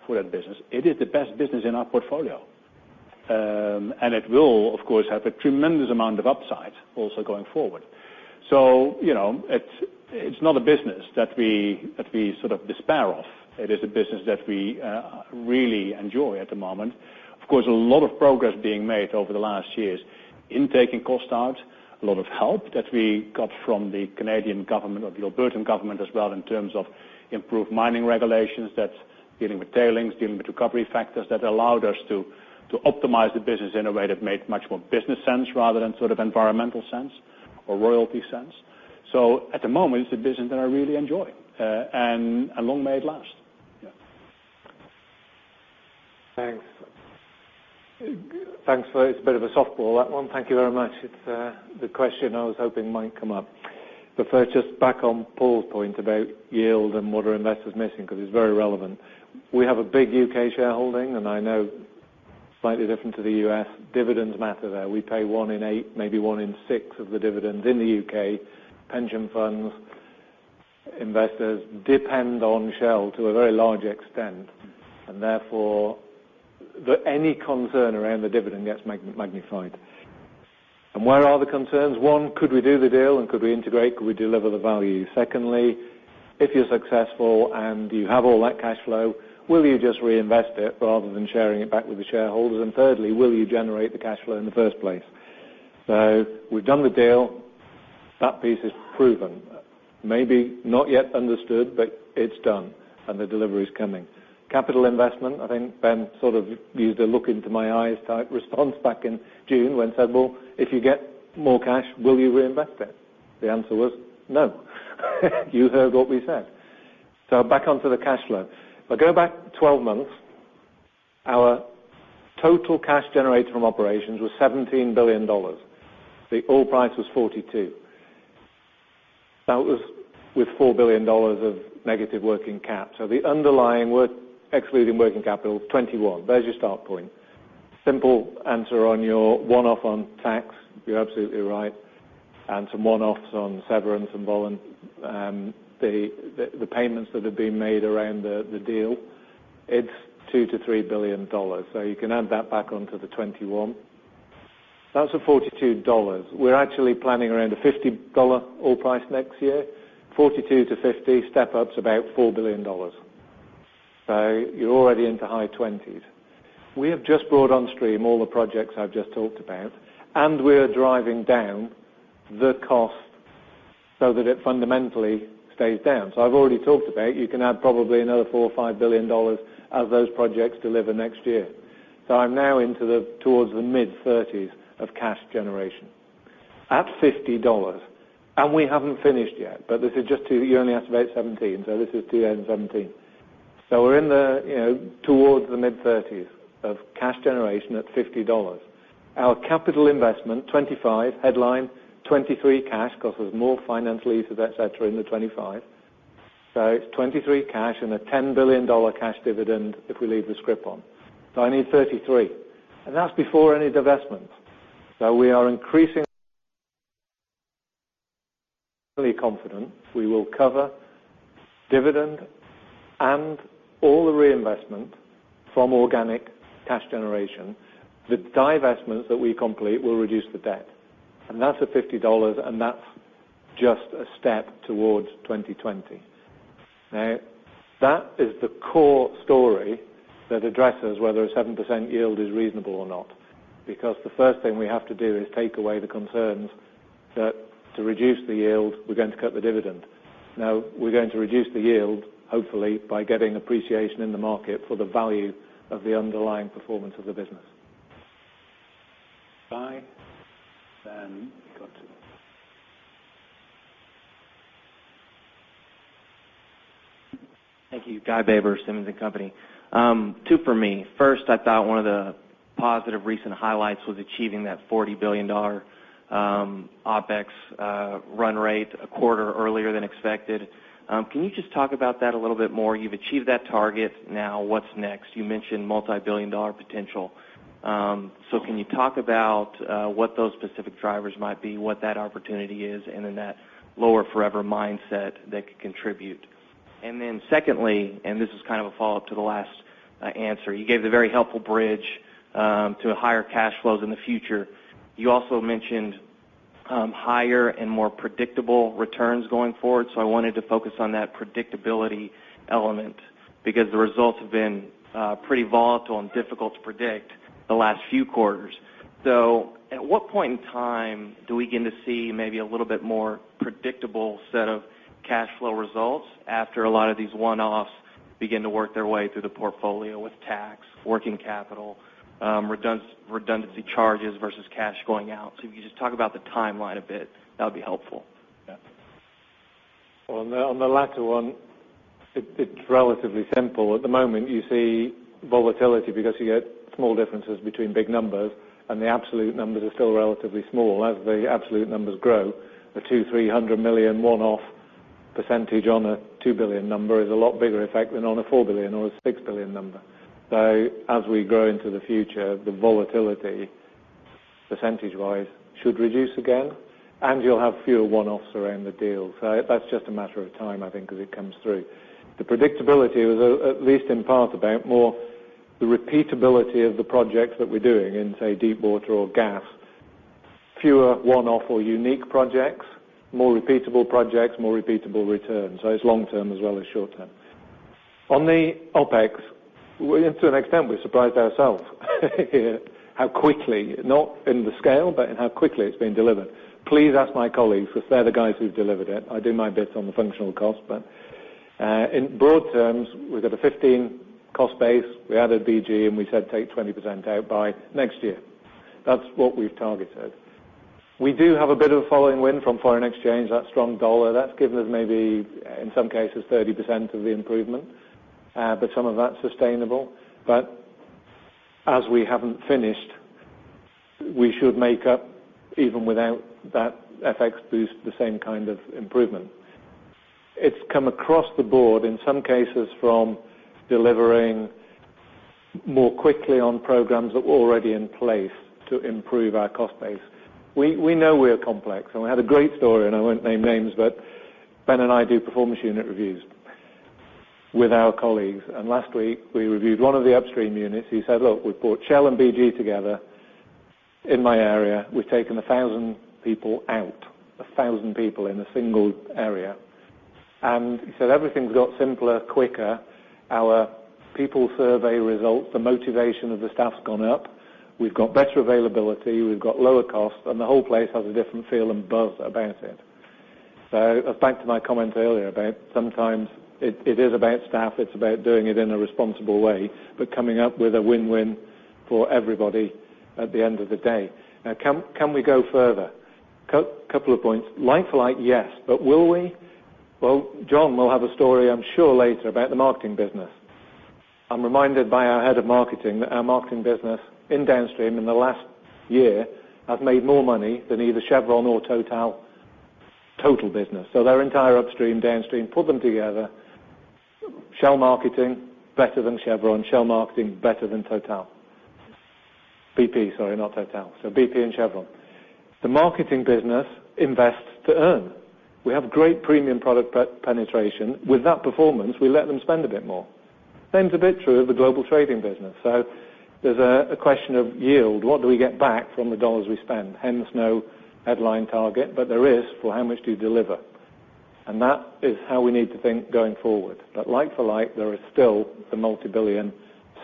for that business, it is the best business in our portfolio. It will, of course, have a tremendous amount of upside also going forward. It's not a business that we despair of. It is a business that we really enjoy at the moment. Of course, a lot of progress being made over the last years in taking cost out, a lot of help that we got from the Canadian government or the Alberta government as well in terms of improved mining regulations, dealing with tailings, dealing with recovery factors that allowed us to optimize the business in a way that made much more business sense rather than sort of environmental sense or royalty sense. At the moment, it's a business that I really enjoy, and long may it last. Yeah. Thanks. It's a bit of a softball, that one. Thank you very much. It's the question I was hoping might come up. First, just back on Paul's point about yield and what are investors missing, because it's very relevant. We have a big U.K. shareholding, and I know slightly different to the U.S., dividends matter there. We pay one in eight, maybe one in six of the dividends in the U.K. Pension funds, investors depend on Shell to a very large extent, and therefore, any concern around the dividend gets magnified. Where are the concerns? One, could we do the deal and could we integrate, could we deliver the value? Secondly- If you're successful and you have all that cash flow, will you just reinvest it rather than sharing it back with the shareholders? Thirdly, will you generate the cash flow in the first place? We've done the deal. That piece is proven. Maybe not yet understood, but it's done and the delivery is coming. Capital investment, I think Ben sort of used a look-into-my-eyes type response back in June when said, "Well, if you get more cash, will you reinvest it?" The answer was no. You heard what we said. Back onto the cash flow. If I go back 12 months, our total cash generated from operations was $17 billion. The oil price was $42. That was with $4 billion of negative working cap. The underlying, excluding working capital, $21. There's your start point. Simple answer on your one-off on tax. You're absolutely right. Some one-offs on severance and the payments that have been made around the deal. It's $2 billion-$3 billion. You can add that back onto the $21 billion. That's at $42 billion. We're actually planning around a $50 oil price next year. 42 to 50 step-up's about $4 billion. You're already into high 20s. We have just brought on stream all the projects I've just talked about, and we are driving down the cost so that it fundamentally stays down. I've already talked about you can add probably another $4 billion or $5 billion as those projects deliver next year. I'm now towards the mid-30s of cash generation at $50, and we haven't finished yet, but you only asked about 2017, so this is 2017. We're towards the mid-30s of cash generation at $50. Our capital investment, $25 billion headline, $23 billion cash, because there's more finance leases, et cetera, in the $25 billion. It's $23 billion cash and a $10 billion cash dividend if we leave the scrip on. I need $33 billion, and that's before any divestments. We are increasingly confident we will cover dividend and all the reinvestment from organic cash generation. The divestments that we complete will reduce the debt, and that's at $50, and that's just a step towards 2020. That is the core story that addresses whether a 7% yield is reasonable or not. The first thing we have to do is take away the concerns that to reduce the yield, we're going to cut the dividend. We're going to reduce the yield, hopefully, by getting appreciation in the market for the value of the underlying performance of the business. Guy, Thank you. Guy Baber, Simmons & Company. Two from me. First, I thought one of the positive recent highlights was achieving that $40 billion OpEx run rate a quarter earlier than expected. Can you just talk about that a little bit more? You've achieved that target. What's next? You mentioned multibillion-dollar potential. Can you talk about what those specific drivers might be, what that opportunity is, and in that lower forever mindset that could contribute? Secondly, and this is kind of a follow-up to the last answer. You gave the very helpful bridge to higher cash flows in the future. You also mentioned higher and more predictable returns going forward. I wanted to focus on that predictability element because the results have been pretty volatile and difficult to predict the last few quarters. At what point in time do we begin to see maybe a little bit more predictable set of cash flow results after a lot of these one-offs begin to work their way through the portfolio with tax, working capital, redundancy charges versus cash going out? If you could just talk about the timeline a bit, that would be helpful. On the latter one, it's relatively simple. At the moment, you see volatility because you get small differences between big numbers, and the absolute numbers are still relatively small. As the absolute numbers grow, a $200 million, $300 million one-off percentage on a $2 billion number is a lot bigger effect than on a $4 billion or a $6 billion number. As we grow into the future, the volatility percentage-wise should reduce again, and you'll have fewer one-offs around the deal. That's just a matter of time, I think, as it comes through. The predictability was at least in part about more the repeatability of the projects that we're doing in, say, deepwater or gas. Fewer one-off or unique projects, more repeatable projects, more repeatable returns. It's long term as well as short term. On the OpEx, to an extent we surprised ourselves how quickly, not in the scale, but in how quickly it's been delivered. Please ask my colleagues because they're the guys who've delivered it. I do my bit on the functional cost, in broad terms, we've got a 15 cost base. We added BG, and we said take 20% out by next year. That's what we've targeted. We do have a bit of a following wind from foreign exchange, that strong dollar. That's given us maybe, in some cases, 30% of the improvement. Some of that's sustainable. As we haven't finished, we should make up even without that FX boost, the same kind of improvement. It's come across the board, in some cases, from delivering more quickly on programs that were already in place to improve our cost base. We know we are complex, we had a great story, and I won't name names, but Ben and I do performance unit reviews with our colleagues. Last week, we reviewed one of the upstream units. He said, "Look, we've brought Shell and BG together in my area. We've taken 1,000 people out." 1,000 people in a single area. He said, "Everything's got simpler, quicker. Our people survey results, the motivation of the staff's gone up. We've got better availability, we've got lower cost, and the whole place has a different feel and buzz about it." Back to my comment earlier about sometimes it is about staff, it's about doing it in a responsible way, but coming up with a win-win for everybody at the end of the day. Now, can we go further? Couple of points. Like for like, yes. Will we? Well, John will have a story, I'm sure, later about the marketing business. I'm reminded by our head of marketing that our marketing business in downstream in the last year have made more money than either Chevron or Total business. Their entire upstream, downstream, put them together, Shell marketing, better than Chevron. Shell marketing, better than Total. BP, sorry, not Total. BP and Chevron. The marketing business invests to earn. We have great premium product penetration. With that performance, we let them spend a bit more. Same is a bit true of the global trading business. There's a question of yield. What do we get back from the $ we spend? Hence, no headline target, but there is for how much do you deliver. That is how we need to think going forward. Like for like, there is still the multi-billion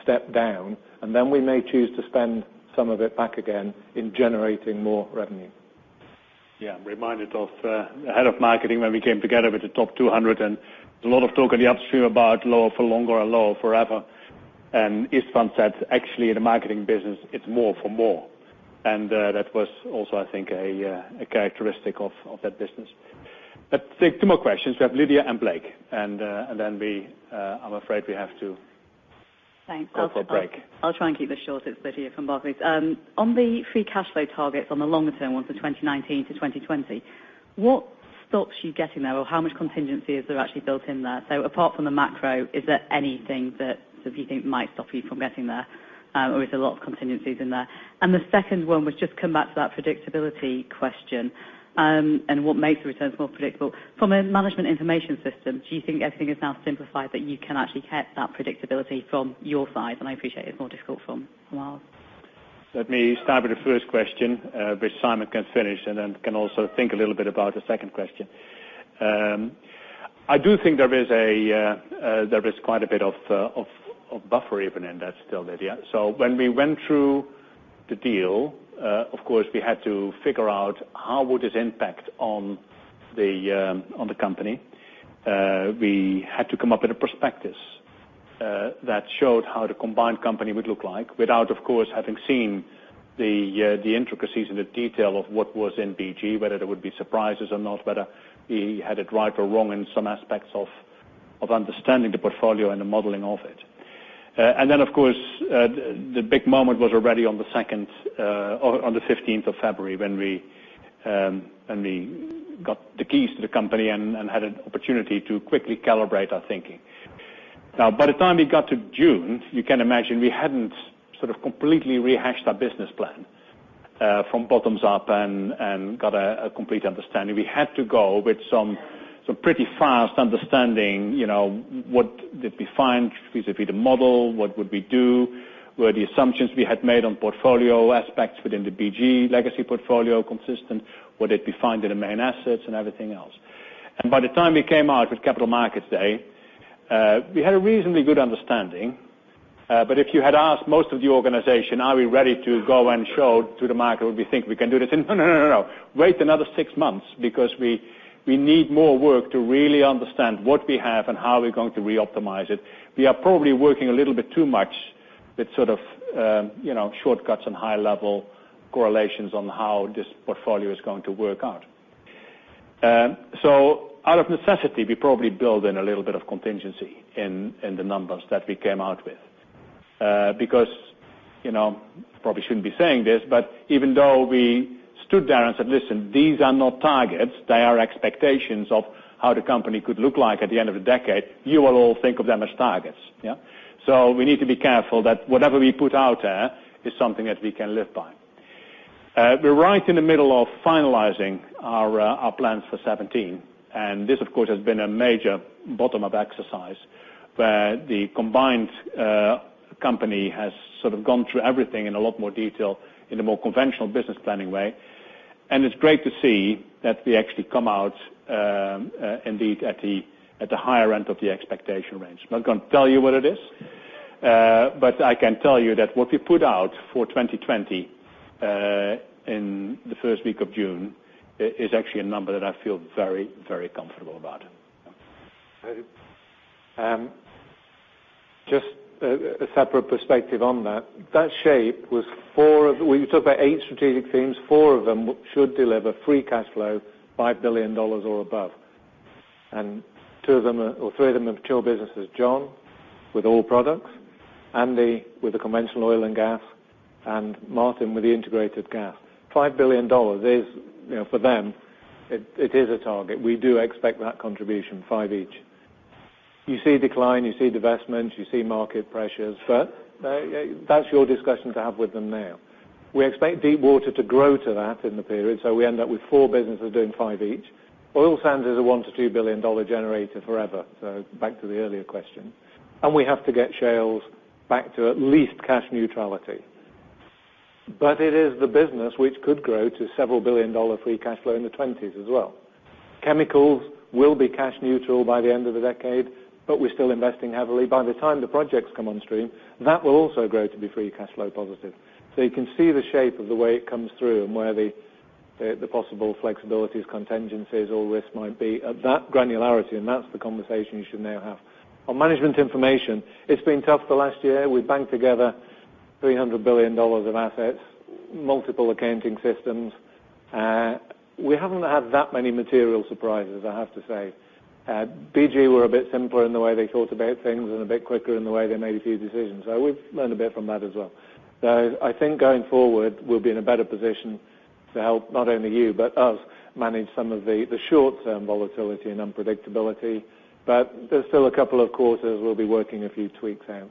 step down, and then we may choose to spend some of it back again in generating more revenue. Yeah, I'm reminded of the head of marketing when we came together with the top 200, and there was a lot of talk in the upstream about low for longer or low forever. István said, actually, in the marketing business, it's more for more. That was also, I think, a characteristic of that business. Let's take two more questions. We have Lydia and Blake, and then I'm afraid we have to. Thanks Go for a break. I'll try and keep this short. It's Lydia from Barclays. On the free cash flow targets on the longer term ones for 2019 to 2020, what stops you getting there, or how much contingency is there actually built in there? Apart from the macro, is there anything that you think might stop you from getting there? Or is there a lot of contingencies in there? The second one was just come back to that predictability question, and what makes the returns more predictable. From a management information system, do you think everything is now simplified that you can actually get that predictability from your side? I appreciate it's more difficult from ours. Let me start with the first question, which Simon can finish and then can also think a little bit about the second question. I do think there is quite a bit of buffer even in that still, Lydia. When we went through the deal, of course, we had to figure out how would this impact on the company. We had to come up with a prospectus that showed how the combined company would look like without, of course, having seen the intricacies and the detail of what was in BG, whether there would be surprises or not, whether we had it right or wrong in some aspects of understanding the portfolio and the modeling of it. Then, of course, the big moment was already on the 15th of February when we got the keys to the company and had an opportunity to quickly calibrate our thinking. By the time we got to June, you can imagine we hadn't completely rehashed our business plan from bottoms up and got a complete understanding. We had to go with some pretty fast understanding, what did we find vis-a-vis the model? What would we do? Were the assumptions we had made on portfolio aspects within the BG legacy portfolio consistent? Would it be fine in the main assets and everything else? By the time we came out with Capital Markets Day, we had a reasonably good understanding. If you had asked most of the organization, are we ready to go and show to the market what we think we can do this in? No, wait another six months because we need more work to really understand what we have and how we're going to re-optimize it. We are probably working a little bit too much with shortcuts and high-level correlations on how this portfolio is going to work out. Out of necessity, we probably build in a little bit of contingency in the numbers that we came out with. Probably shouldn't be saying this, but even though we stood there and said, "Listen, these are not targets, they are expectations of how the company could look like at the end of the decade," you will all think of them as targets. We need to be careful that whatever we put out there is something that we can live by. We're right in the middle of finalizing our plans for 2017, this, of course, has been a major bottom-up exercise where the combined company has gone through everything in a lot more detail in a more conventional business planning way. It's great to see that we actually come out indeed at the higher end of the expectation range. I'm not going to tell you what it is, but I can tell you that what we put out for 2020 in the first week of June is actually a number that I feel very, very comfortable about. Just a separate perspective on that. That shape was four. We talked about eight strategic themes. Four of them should deliver free cash flow $5 billion or above. Two of them or three of them are pure businesses, John, with all products, Andy with the conventional oil and gas, Maarten with the Integrated Gas. $5 billion is, for them, it is a target. We do expect that contribution, five each. You see decline, you see divestments, you see market pressures, that's your discussion to have with them now. We expect Deepwater to grow to that in the period, so we end up with four businesses doing five each. oil sands is a $1 billion-$2 billion generator forever. Back to the earlier question, we have to get Shales back to at least cash neutrality. It is the business which could grow to several billion-dollar free cash flow in the '20s as well. Chemicals will be cash neutral by the end of the decade, we're still investing heavily. By the time the projects come on stream, that will also grow to be free cash flow positive. You can see the shape of the way it comes through and where the possible flexibilities, contingencies, all risk might be at that granularity, and that's the conversation you should now have. On management information, it's been tough for the last year. We banged together $300 billion of assets, multiple accounting systems. We haven't had that many material surprises, I have to say. BG were a bit simpler in the way they thought about things and a bit quicker in the way they made a few decisions. We've learned a bit from that as well. I think going forward, we'll be in a better position to help not only you but us manage some of the short-term volatility and unpredictability. There's still a couple of quarters we'll be working a few tweaks out.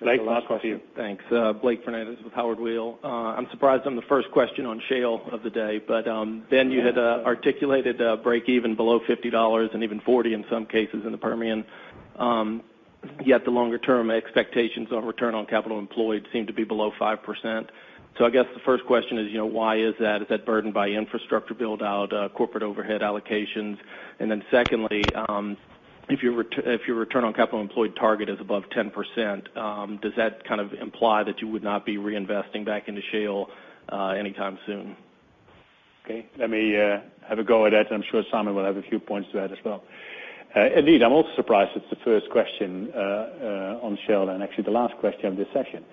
Yeah. Blake, last question. Thanks. Blake Fernandez with Howard Weil. I'm surprised I'm the first question on Shale of the day. Ben, you had articulated a break-even below $50 and even $40 in some cases in the Permian. Yet the longer-term expectations on return on capital employed seem to be below 5%. I guess the first question is, why is that? Is that burdened by infrastructure build-out, corporate overhead allocations? Secondly, if your return on capital employed target is above 10%, does that kind of imply that you would not be reinvesting back into Shale anytime soon? Okay. Let me have a go at that. I'm sure Simon will have a few points to add as well. Indeed, I'm also surprised it's the first question on Shale and actually the last question of this session.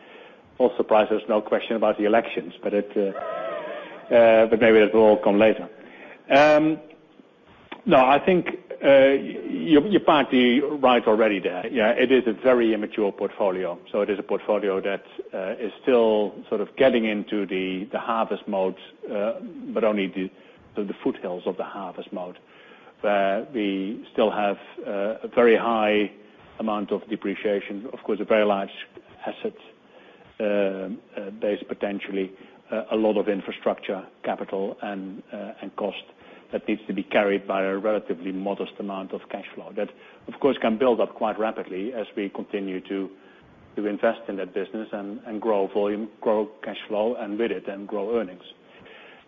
Surprised there's no question about the elections, maybe it will all come later. No, I think you're partly right already there. It is a very immature portfolio. It is a portfolio that is still sort of getting into the harvest mode, only the foothills of the harvest mode, where we still have a very high amount of depreciation. Of course, a very large asset base, potentially a lot of infrastructure, capital, and cost that needs to be carried by a relatively modest amount of cash flow. That, of course, can build up quite rapidly as we continue to invest in that business and grow volume, grow cash flow, and with it, and grow earnings.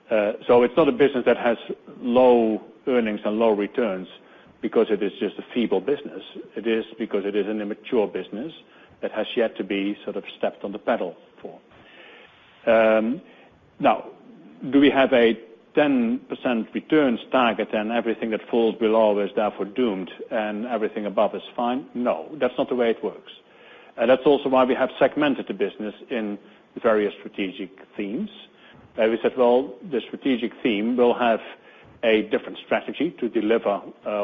It's not a business that has low earnings and low returns because it is just a feeble business. It is because it is an immature business that has yet to be sort of stepped on the pedal for. Now, do we have a 10% returns target and everything that falls below is therefore doomed and everything above is fine? No, that's not the way it works. That's also why we have segmented the business in various strategic themes, where we said, well, the strategic theme will have a different strategy to deliver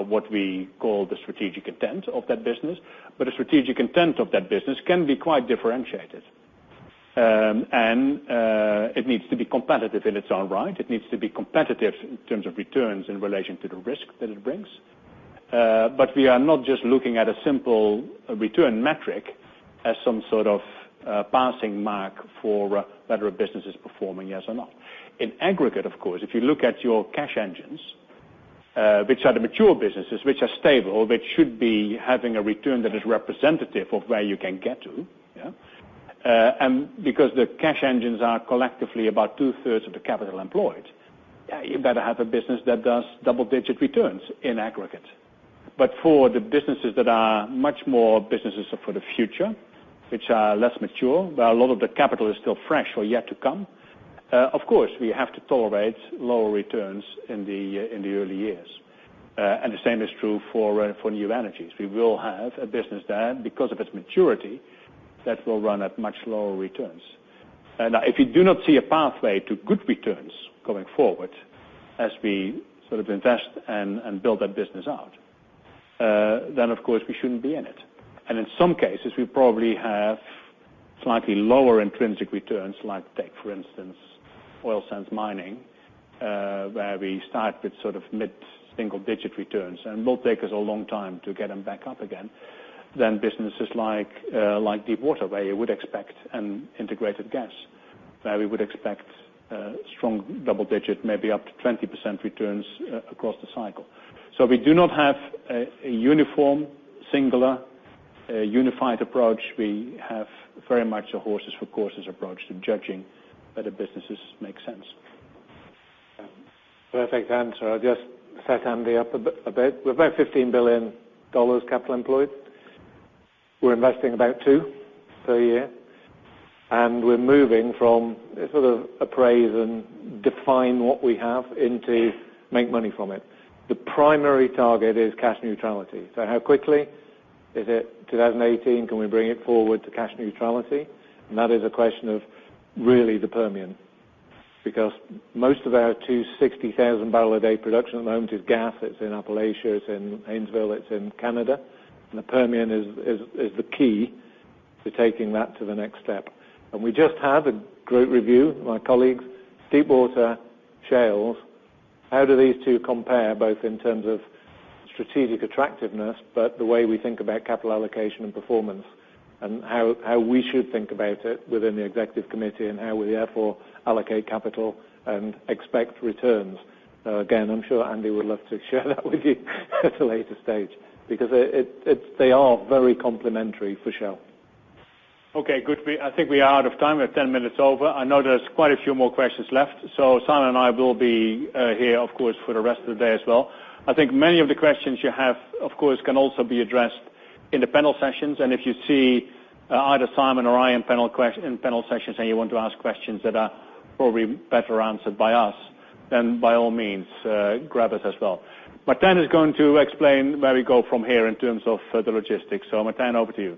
what we call the strategic intent of that business, the strategic intent of that business can be quite differentiated. It needs to be competitive in its own right. It needs to be competitive in terms of returns in relation to the risk that it brings. We are not just looking at a simple return metric as some sort of passing mark for whether a business is performing, yes or no. In aggregate, of course, if you look at your cash engines, which are the mature businesses, which are stable, which should be having a return that is representative of where you can get to. Because the cash engines are collectively about two-thirds of the capital employed, you better have a business that does double-digit returns in aggregate. For the businesses that are much more businesses for the future, which are less mature, where a lot of the capital is still fresh or yet to come, of course, we have to tolerate lower returns in the early years. The same is true for New Energies. We will have a business there because of its maturity that will run at much lower returns. If you do not see a pathway to good returns going forward as we sort of invest and build that business out, then of course, we shouldn't be in it. In some cases, we probably have slightly lower intrinsic returns, like take, for instance, oil sands mining, where we start with sort of mid-single digit returns, and will take us a long time to get them back up again, than businesses like Deepwater, where you would expect an Integrated Gas. Where we would expect strong double digit, maybe up to 20% returns across the cycle. We do not have a uniform, singular, unified approach. We have very much a horses for courses approach to judging whether businesses make sense. Perfect answer. I'll just set Andy up a bit. We've about $15 billion capital employed. We're investing about $2 billion per year, and we're moving from a sort of appraise and define what we have into make money from it. The primary target is cash neutrality. How quickly? Is it 2018? Can we bring it forward to cash neutrality? That is a question of really the Permian, because most of our 260,000 barrel a day production at the moment is gas. It's in Appalachia, it's in Haynesville, it's in Canada. The Permian is the key to taking that to the next step. We just had a great review, my colleagues, Deepwater, Shales. How do these two compare, both in terms of strategic attractiveness, but the way we think about capital allocation and performance and how we should think about it within the executive committee and how we therefore allocate capital and expect returns? Again, I'm sure Andy would love to share that with you at a later stage, because they are very complementary for Shell. Okay, good. I think we are out of time. We're 10 minutes over. I know there's quite a few more questions left. Simon and I will be here, of course, for the rest of the day as well. I think many of the questions you have, of course, can also be addressed in the panel sessions. If you see either Simon or I in panel sessions and you want to ask questions that are probably better answered by us, then by all means, grab us as well. Martijn is going to explain where we go from here in terms of the logistics. Martijn, over to you.